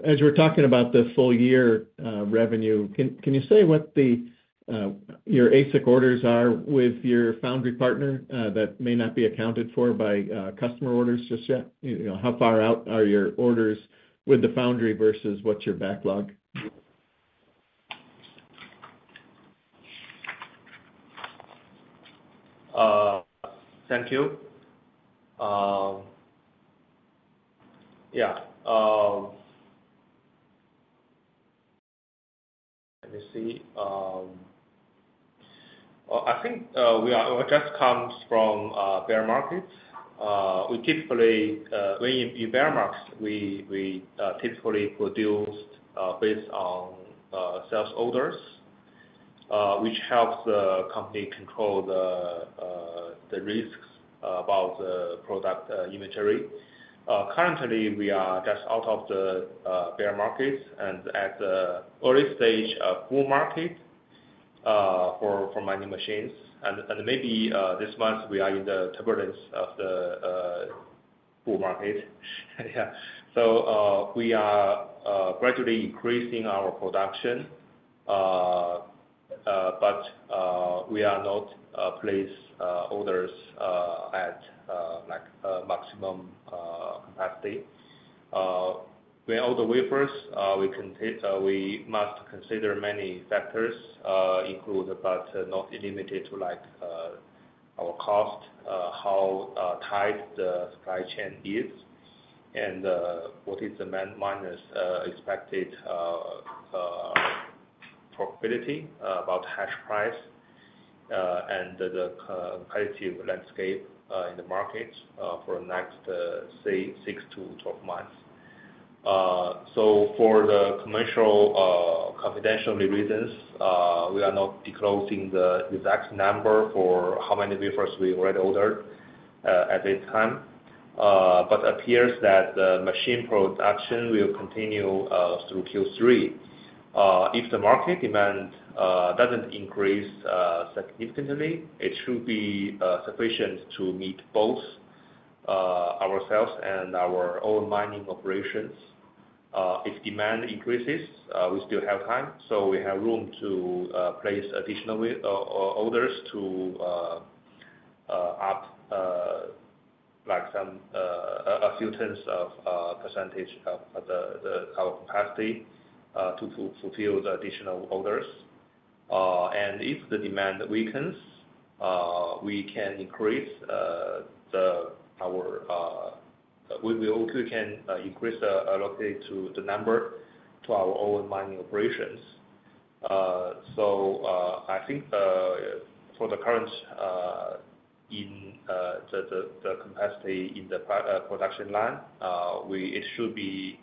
as we're talking about the full-year revenue, can you say what your ASIC orders are with your foundry partner that may not be accounted for by customer orders just yet? How far out are your orders with the foundry versus what's your backlog? Thank you. Yeah. Let me see. I think it just comes from bear markets. In bear markets, we typically produce based on sales orders, which helps the company control the risks about the product inventory. Currently, we are just out of the bear markets and at the early stage of full market for mining machines. Maybe this month, we are in the turbulence of the full market. Yeah. We are gradually increasing our production, but we are not placing orders at maximum capacity. When order waivers, we must consider many factors, including, but not limited to, our cost, how tight the supply chain is, and what is the miner's expected profitability about hash price and the competitive landscape in the market for the next, say, 6-12 months. For commercial confidential reasons, we are not disclosing the exact number for how many waivers we already ordered at this time. It appears that the machine production will continue through Q3. If the market demand does not increase significantly, it should be sufficient to meet both ourselves and our own mining operations. If demand increases, we still have time. We have room to place additional orders to up a few tenths of a percentage of our capacity to fulfill the additional orders. If the demand weakens, we can increase the allocated number to our own mining operations. I think for the current capacity in the production line, it shouldn't be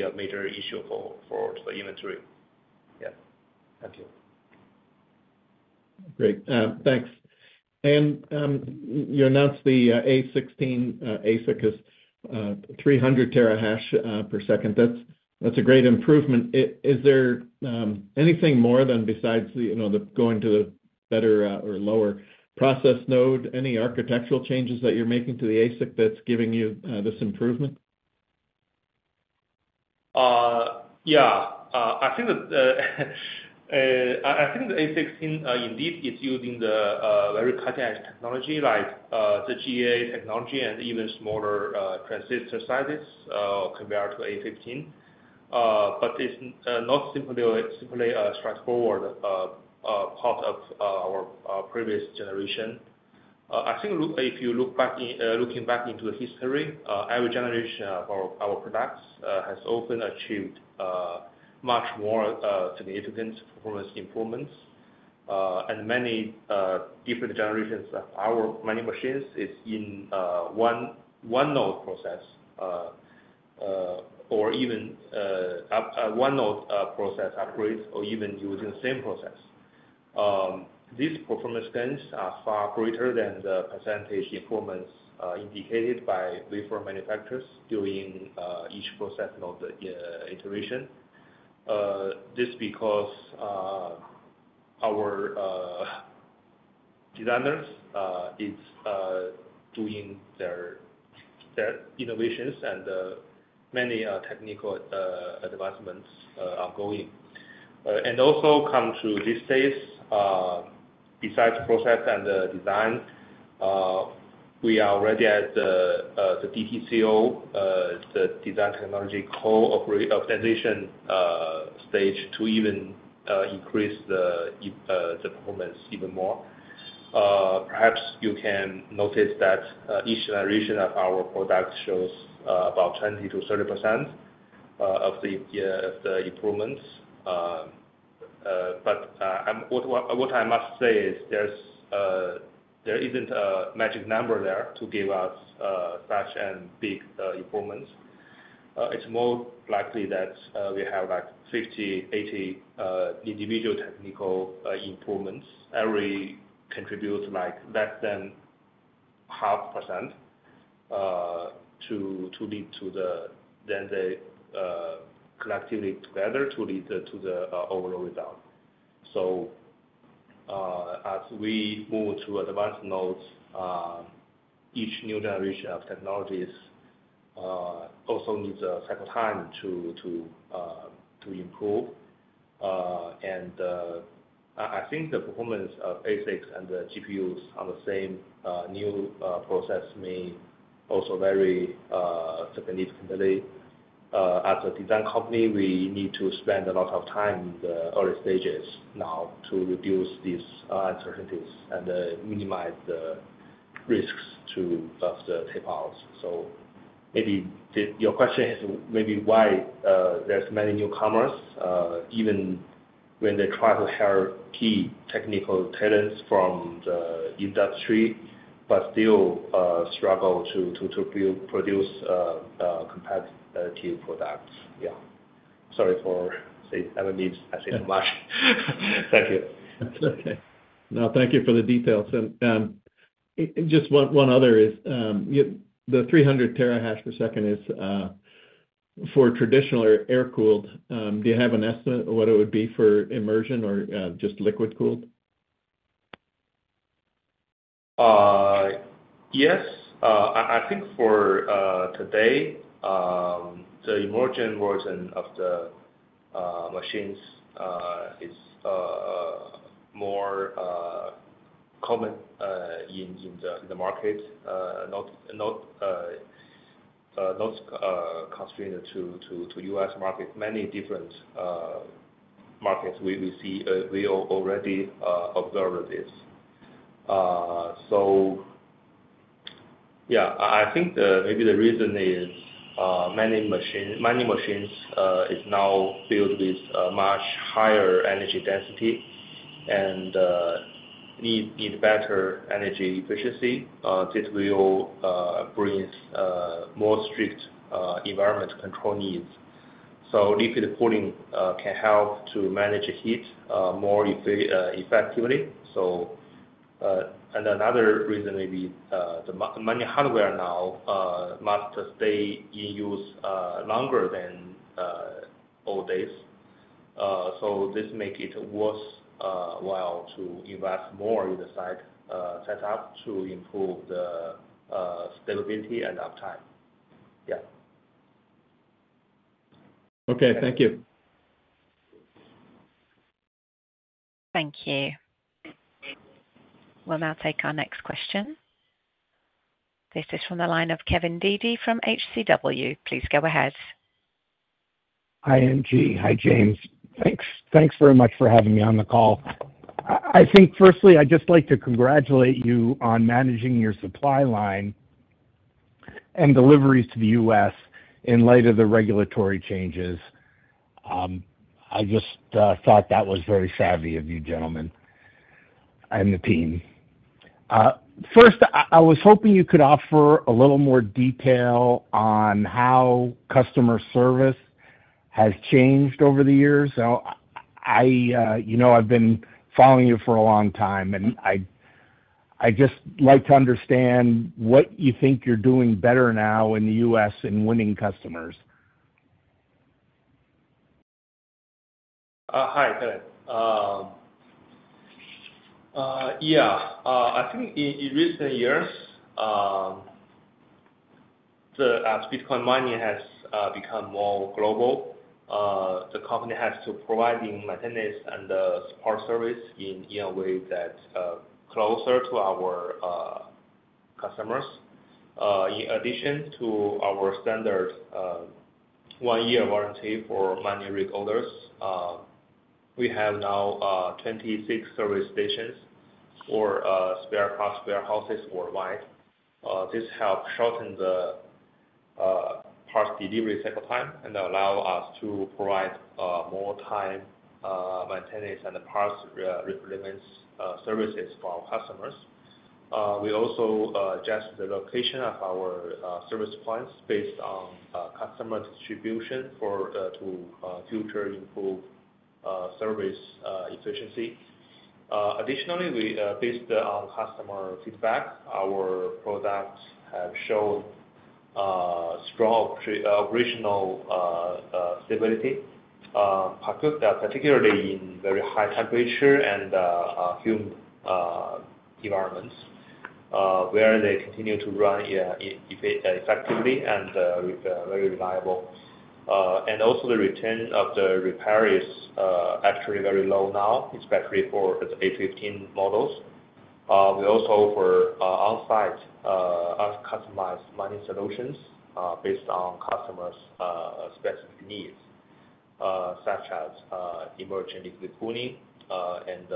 a major issue for the inventory. Thank you. Great. Thanks. You announced the A16 ASIC is 300 TH/s. That's a great improvement. Is there anything more than besides going to the better or lower process node? Any architectural changes that you're making to the ASIC that's giving you this improvement? I think the A16 indeed is using the very cutting-edge technology, like the GA technology, and even smaller transistor sizes compared to A15. It is not simply a straightforward part of our previous generation. I think if you're looking back into the history, every generation of our products has often achieved much more significant performance improvements. Many different generations of our mining machines are in one-node process or even one-node process upgrades or even using the same process. These performance gains are far greater than the percentage improvements indicated by wafer manufacturers during each process node iteration. This is because our designers are doing their innovations, and many technical advancements are going. Also, come to this stage, besides process and design, we are already at the DTCO, the design technology core optimization stage, to even increase the performance even more. Perhaps you can notice that each generation of our product shows about 20-30% of the improvements. What I must say is there isn't a magic number there to give us such a big improvement. It's more likely that we have 50-80 individual technical improvements. Every contributes less than 0.5% to lead to the, then they collectively together lead to the overall result. As we move to advanced nodes, each new generation of technologies also needs a cycle time to improve. I think the performance of ASICs and the GPUs on the same new process may also vary significantly. As a design company, we need to spend a lot of time in the early stages now to reduce these uncertainties and minimize the risks of the tapeouts. Maybe your question is maybe why there's many newcomers, even when they try to hire key technical talents from the industry, but still struggle to produce competitive products. Yeah. Sorry for saying I say too much. Thank you. No, thank you for the details. And just one other is the 300 TH/s is for traditional or air-cooled. Do you have an estimate of what it would be for immersion or just liquid-cooled? Yes. I think for today, the immersion version of the machines is more common in the market, not constrained to the U.S. market. Many different markets we already observe this. Yeah, I think maybe the reason is many machines are now built with much higher energy density and need better energy efficiency. This will bring more strict environment control needs. Liquid cooling can help to manage heat more effectively. Another reason may be the many hardware now must stay in use longer than old days. This makes it worthwhile to invest more in the side setup to improve the stability and uptime. Yeah. Okay. Thank you. Thank you. We'll now take our next question. This is from the line of Kevin Dede from HCW. Please go ahead. Hi, NZ. Hi, James. Thanks very much for having me on the call. I think firstly, I'd just like to congratulate you on managing your supply line and deliveries to the U.S. in light of the regulatory changes. I just thought that was very savvy of you gentlemen and the team. First, I was hoping you could offer a little more detail on how customer service has changed over the years. I've been following you for a long time, and I'd just like to understand what you think you're doing better now in the U.S. in winning customers. Hi, Kevin. Yeah. I think in recent years, as Bitcoin mining has become more global, the company has to provide maintenance and support service in a way that's closer to our customers. In addition to our standard one-year warranty for mining rig orders, we have now 26 service stations or spare parts warehouses worldwide. This helps shorten the parts delivery cycle time and allows us to provide more time maintenance and parts replacement services for our customers. We also adjust the location of our service points based on customer distribution to further improve service efficiency. Additionally, based on customer feedback, our products have shown strong operational stability, particularly in very high temperature and humid environments, where they continue to run effectively and very reliably. Also, the return of the repair is actually very low now, especially for the A15 models. We also offer on-site customized mining solutions based on customers' specific needs, such as emerging liquid cooling and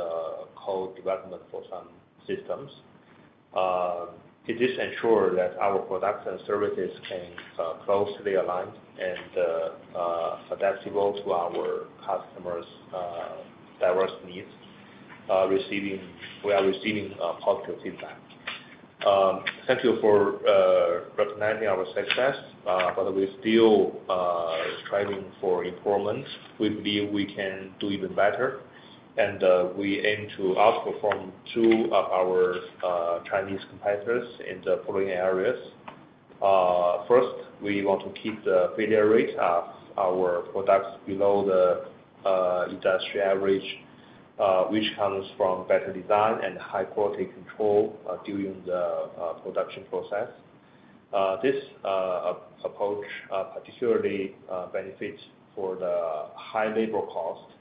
code development for some systems. This ensures that our products and services can be closely aligned and adaptable to our customers' diverse needs. We are receiving positive feedback. Thank you for recognizing our success, but we're still striving for improvement. We believe we can do even better, and we aim to outperform two of our Chinese competitors in the following areas. First, we want to keep the failure rate of our products below the industrial average, which comes from better design and high-quality control during the production process. This approach particularly benefits for the high labor cost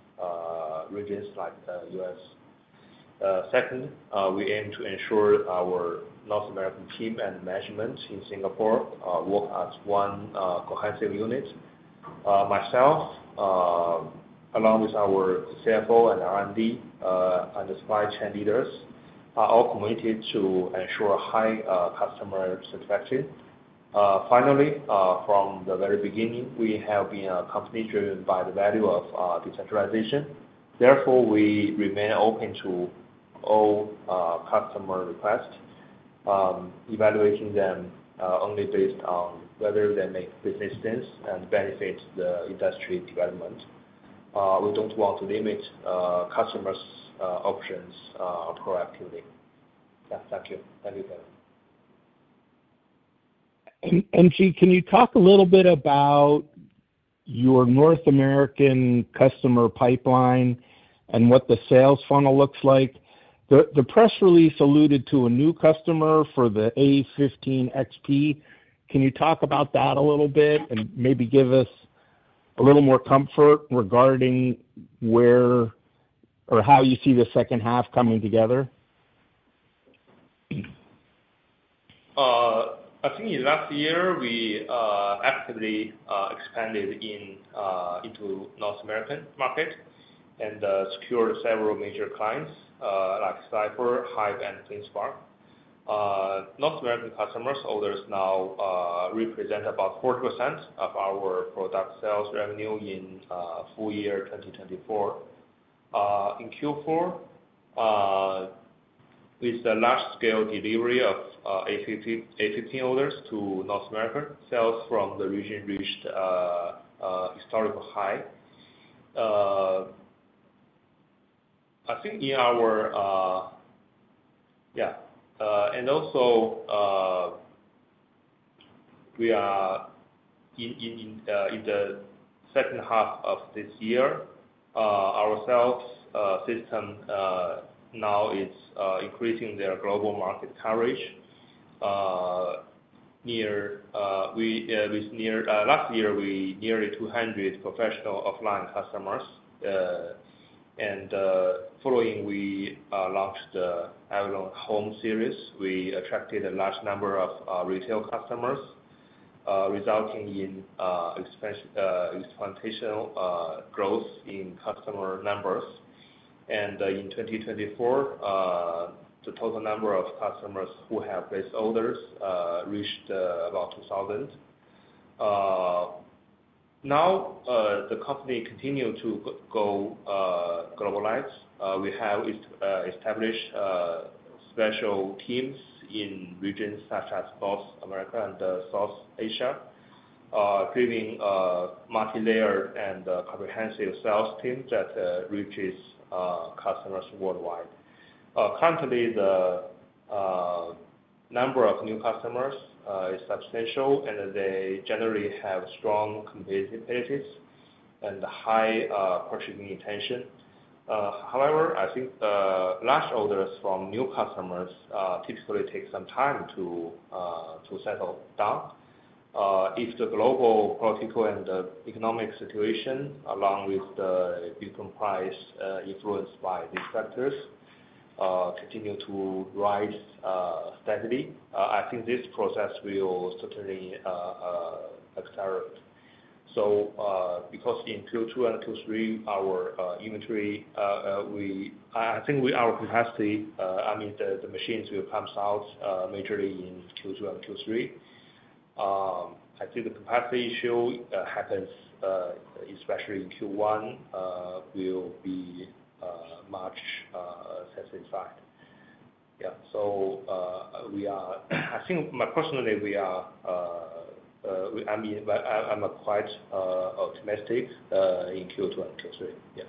regions like the U.S.. Second, we aim to ensure our North American team and management in Singapore work as one cohesive unit. Myself, along with our CFO and R&D and the supply chain leaders, are all committed to ensure high customer satisfaction. Finally, from the very beginning, we have been a company driven by the value of decentralization. Therefore, we remain open to all customer requests, evaluating them only based on whether they make business sense and benefit the industry development. We do not want to limit customers' options proactively. Yeah. Thank you. Thank you, Kevin. NZ, can you talk a little bit about your North American customer pipeline and what the sales funnel looks like? The press release alluded to a new customer for the A15 XP. Can you talk about that a little bit and maybe give us a little more comfort regarding where or how you see the second half coming together? I think last year, we actively expanded into the North American market and secured several major clients like Cipher, Hive, and ThinkSpark. North American customers' orders now represent about 40% of our product sales revenue in full year 2024. In Q4, with the large-scale delivery of A15 orders to North America, sales from the region reached a historical high. I think in our, yeah. Also, we are in the second half of this year. Our sales system now is increasing their global market coverage. Last year, we had nearly 200 professional offline customers. Following, we launched the Avalon Home series. We attracted a large number of retail customers, resulting in exponential growth in customer numbers. In 2024, the total number of customers who have placed orders reached about 2,000. Now, the company continues to go globalize. We have established special teams in regions such as South America and South Asia, creating a multi-layered and comprehensive sales team that reaches customers worldwide. Currently, the number of new customers is substantial, and they generally have strong competitiveness and high purchasing intention. However, I think large orders from new customers typically take some time to settle down. If the global political and economic situation, along with the Bitcoin price influenced by these factors, continue to rise steadily, I think this process will certainly accelerate. In Q2 and Q3, our inventory, I think our capacity, I mean, the machines will come out majorly in Q2 and Q3. I think the capacity issue happens, especially in Q1, will be much satisfied. Yeah. I think personally, I'm quite optimistic in Q2 and Q3. Yeah.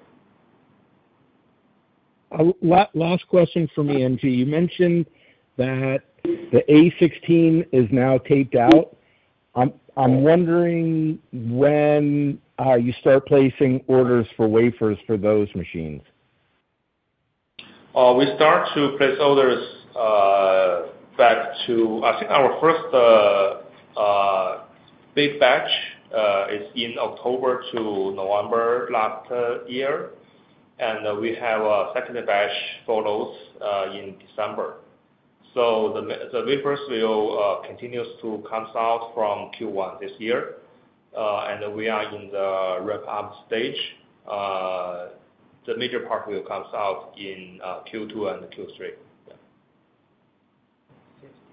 Last question for me, NZ. You mentioned that the A16 is now taped out. I'm wondering when you start placing orders for wafers for those machines. We start to place orders back to I think our first big batch is in October to November last year, and we have a second batch for those in December. The wafers will continue to come out from Q1 this year, and we are in the wrap-up stage. The major part will come out in Q2 and Q3.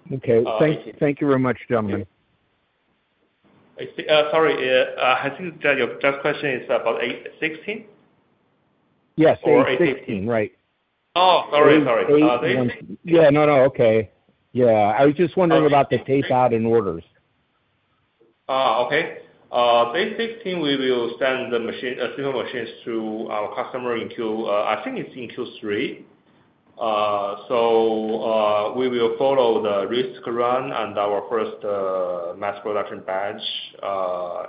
Yeah. Okay. Thank you very much, gentlemen. Sorry. I think that your question is about A16? Yes. A16. Or A15. Right. Oh, sorry. Sorry. Yeah. No, no. Okay. Yeah. I was just wondering about the tapeout and orders. Okay. The A16, we will send the single machines to our customer in Q I think it's in Q3. We will follow the risk run and our first mass production batch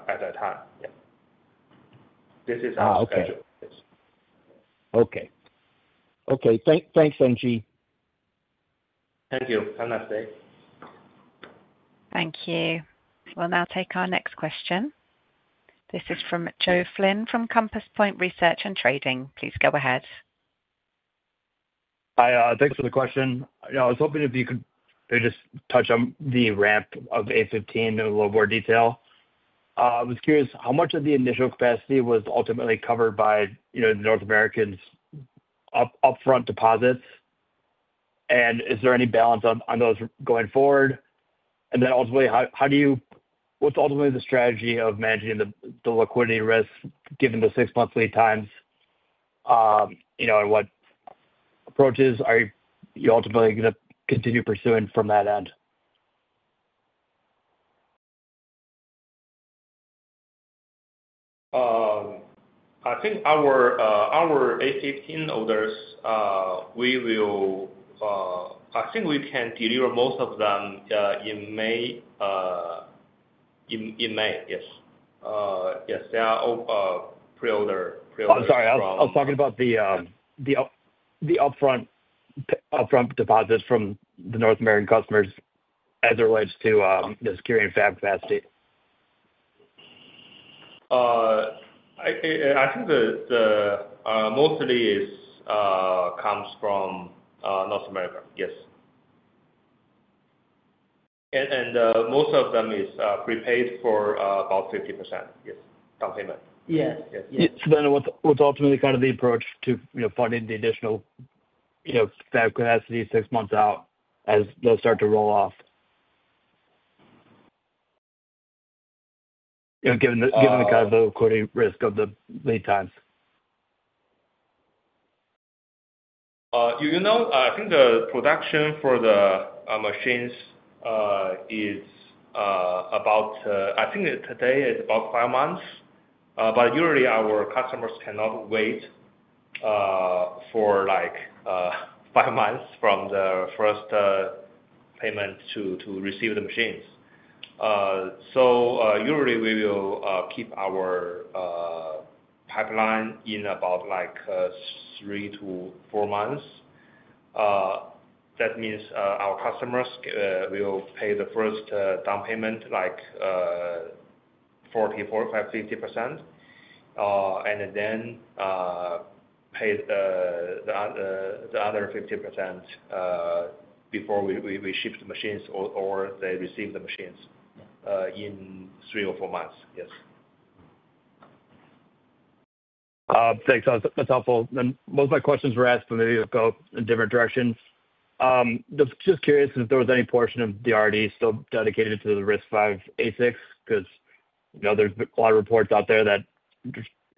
at that time. Yeah. This is our schedule. Okay. Okay. Thanks, NZ. Thank you. Have a nice day. Thank you. We'll now take our next question. This is from Joe Flynn from Compass Point Research and Trading. Please go ahead. Hi. Thanks for the question. I was hoping if you could just touch on the ramp of A15 in a little more detail. I was curious how much of the initial capacity was ultimately covered by North America's upfront deposits, and is there any balance on those going forward? Ultimately, what's ultimately the strategy of managing the liquidity risk given the six-month lead times, and what approaches are you ultimately going to continue pursuing from that end? I think our A15 orders, I think we can deliver most of them in May. Yes. Yes. They are pre-order. Pre-order. I'm sorry. I was talking about the upfront deposits from the North American customers as it relates to securing fab capacity. I think mostly it comes from North America. Yes. And most of them is prepaid for about 50%. Yes. Down payment. Yes. Yes. What's ultimately kind of the approach to funding the additional fab capacity six months out as they'll start to roll off? Given the kind of liquidity risk of the lead times. I think the production for the machines is about, I think today is about five months, but usually, our customers cannot wait for five months from the first payment to receive the machines. Usually, we will keep our pipeline in about three to four months. That means our customers will pay the first down payment, like 40%, 45%, 50%, and then pay the other 50% before we ship the machines or they receive the machines in three or four months. Yes. Thanks. That's helpful. Most of my questions were asked when they go in different directions. Just curious if there was any portion of the R&D still dedicated to the RISC-V A6 because there's a lot of reports out there that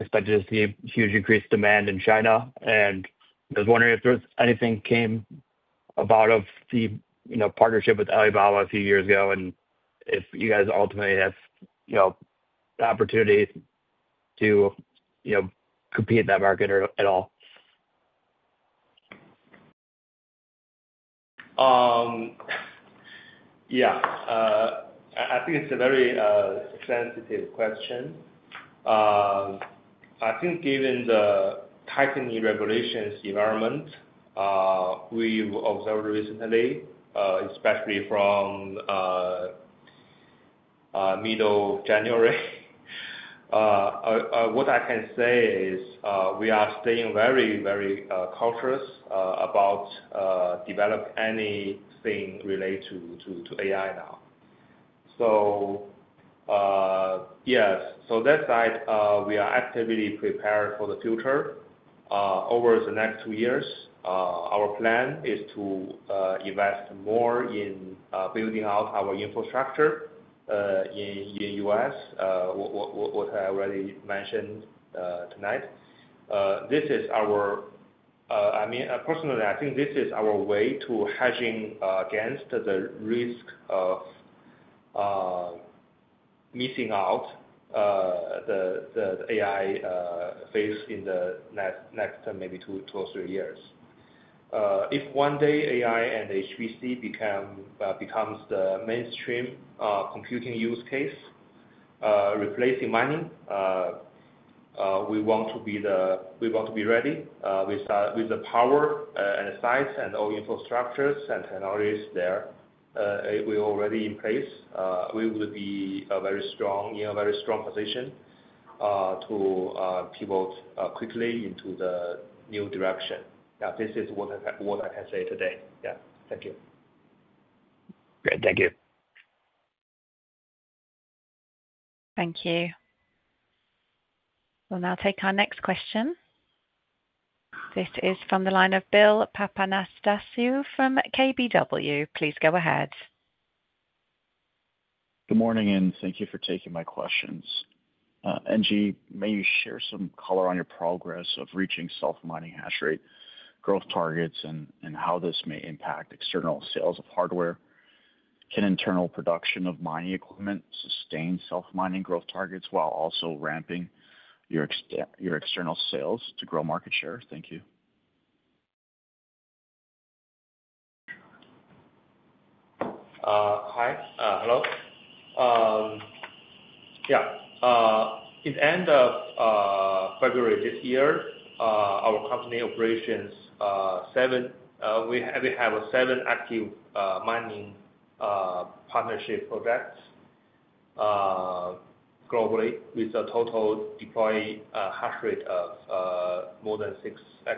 expect to see a huge increased demand in China. I was wondering if there was anything that came about of the partnership with Alibaba a few years ago and if you guys ultimately have the opportunity to compete in that market at all. Yeah. I think it's a very sensitive question. I think given the tightening regulations environment we've observed recently, especially from middle January, what I can say is we are staying very, very cautious about developing anything related to AI now. Yes, that side, we are actively prepared for the future. Over the next two years, our plan is to invest more in building out our infrastructure in the U.S., what I already mentioned tonight. I mean, personally, I think this is our way to hedge against the risk of missing out the AI phase in the next maybe two or three years. If one day AI and HPC becomes the mainstream computing use case, replacing mining, we want to be ready with the power and the sites and all infrastructures and technologies there. We're already in place. We will be in a very strong position to pivot quickly into the new direction. Yeah. This is what I can say today. Yeah. Thank you. Great. Thank you. Thank you. We'll now take our next question. This is from the line of Bill Papanastasiou from KBW. Please go ahead. Good morning, and thank you for taking my questions. NZ, may you share some color on your progress of reaching self-mining hash rate growth targets and how this may impact external sales of hardware? Can internal production of mining equipment sustain self-mining growth targets while also ramping your external sales to grow market share? Thank you. Hi. Hello. Yeah. In the end of February this year, our company operations we have seven active mining partnership projects globally with a total deploy hash rate of more than 6 EH,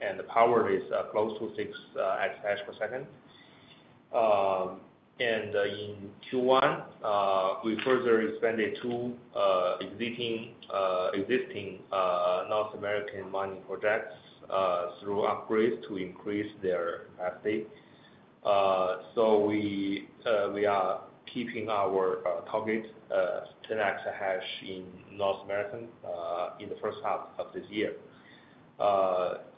and the power is close to 6 EH/s. In Q1, we further expanded two existing North American mining projects through upgrades to increase their capacity. We are keeping our target 10 EH in North America in the first half of this year.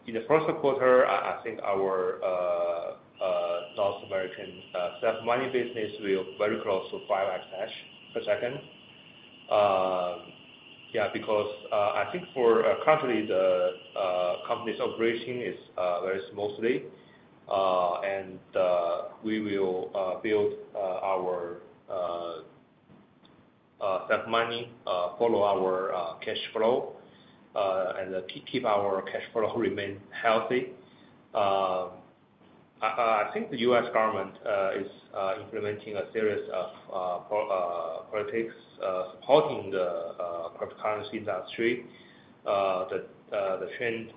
In the first quarter, I think our North American self-mining business will be very close to 5 EH/s. Yeah. I think currently, the company's operation is very smooth, and we will build our self-mining, follow our cash flow, and keep our cash flow remain healthy. I think the U.S. government is implementing a series of policies supporting the cryptocurrency industry. The trend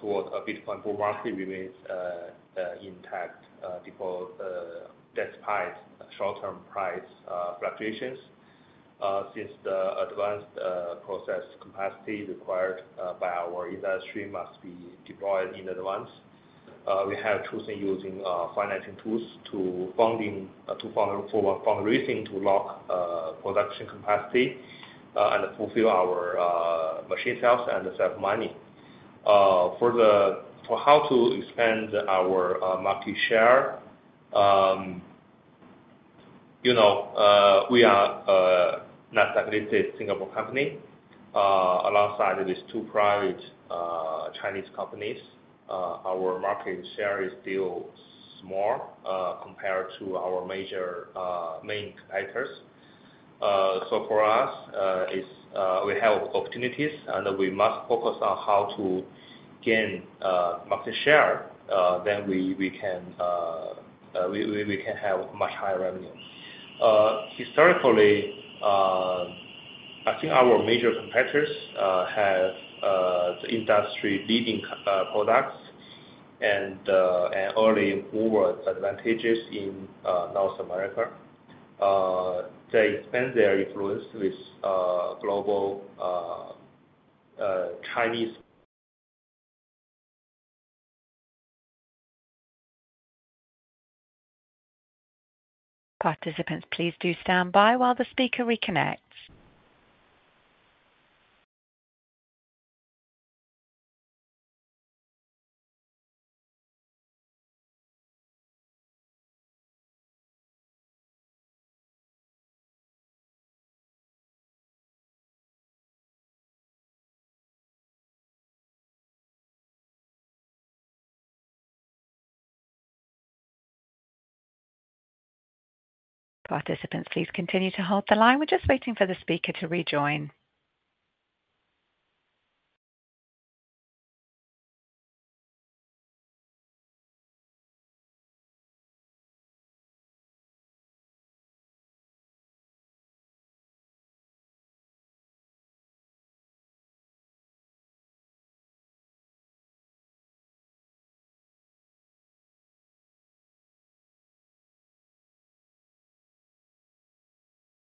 toward a Bitcoin bull market remains intact despite short-term price fluctuations since the advanced process capacity required by our industry must be deployed in advance. We have chosen using financing tools to fund raising to lock production capacity and fulfill our machine sales and self-mining. For how to expand our market share, we are a nested Singapore company. Alongside with two private Chinese companies, our market share is still small compared to our major main competitors. For us, we have opportunities, and we must focus on how to gain market share. We can have much higher revenue. Historically, I think our major competitors have the industry-leading products and early forward advantages in North America. They expand their influence with global Chinese. Participants, please do stand by while the speaker reconnects. Participants, please continue to hold the line. We're just waiting for the speaker to rejoin.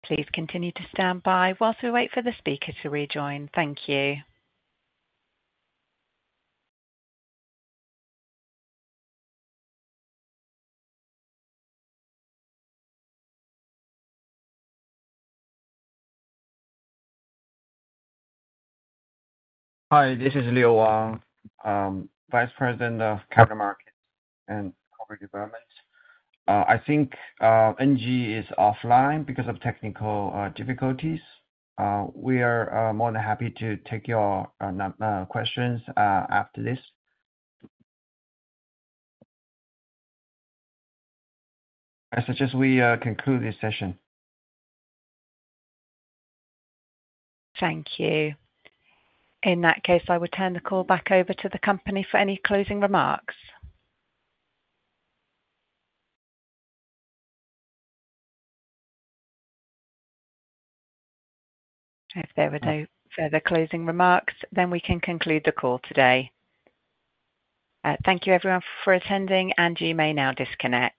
Please continue to stand by whilst we wait for the speaker to rejoin. Thank you. Hi. This is Leo Wang, Vice President of Capital Markets and Corporate Development. I think NZ is offline because of technical difficulties. We are more than happy to take your questions after this. I suggest we conclude this session. Thank you. In that case, I will turn the call back over to the company for any closing remarks. If there were no further closing remarks, then we can conclude the call today. Thank you, everyone, for attending, and you may now disconnect.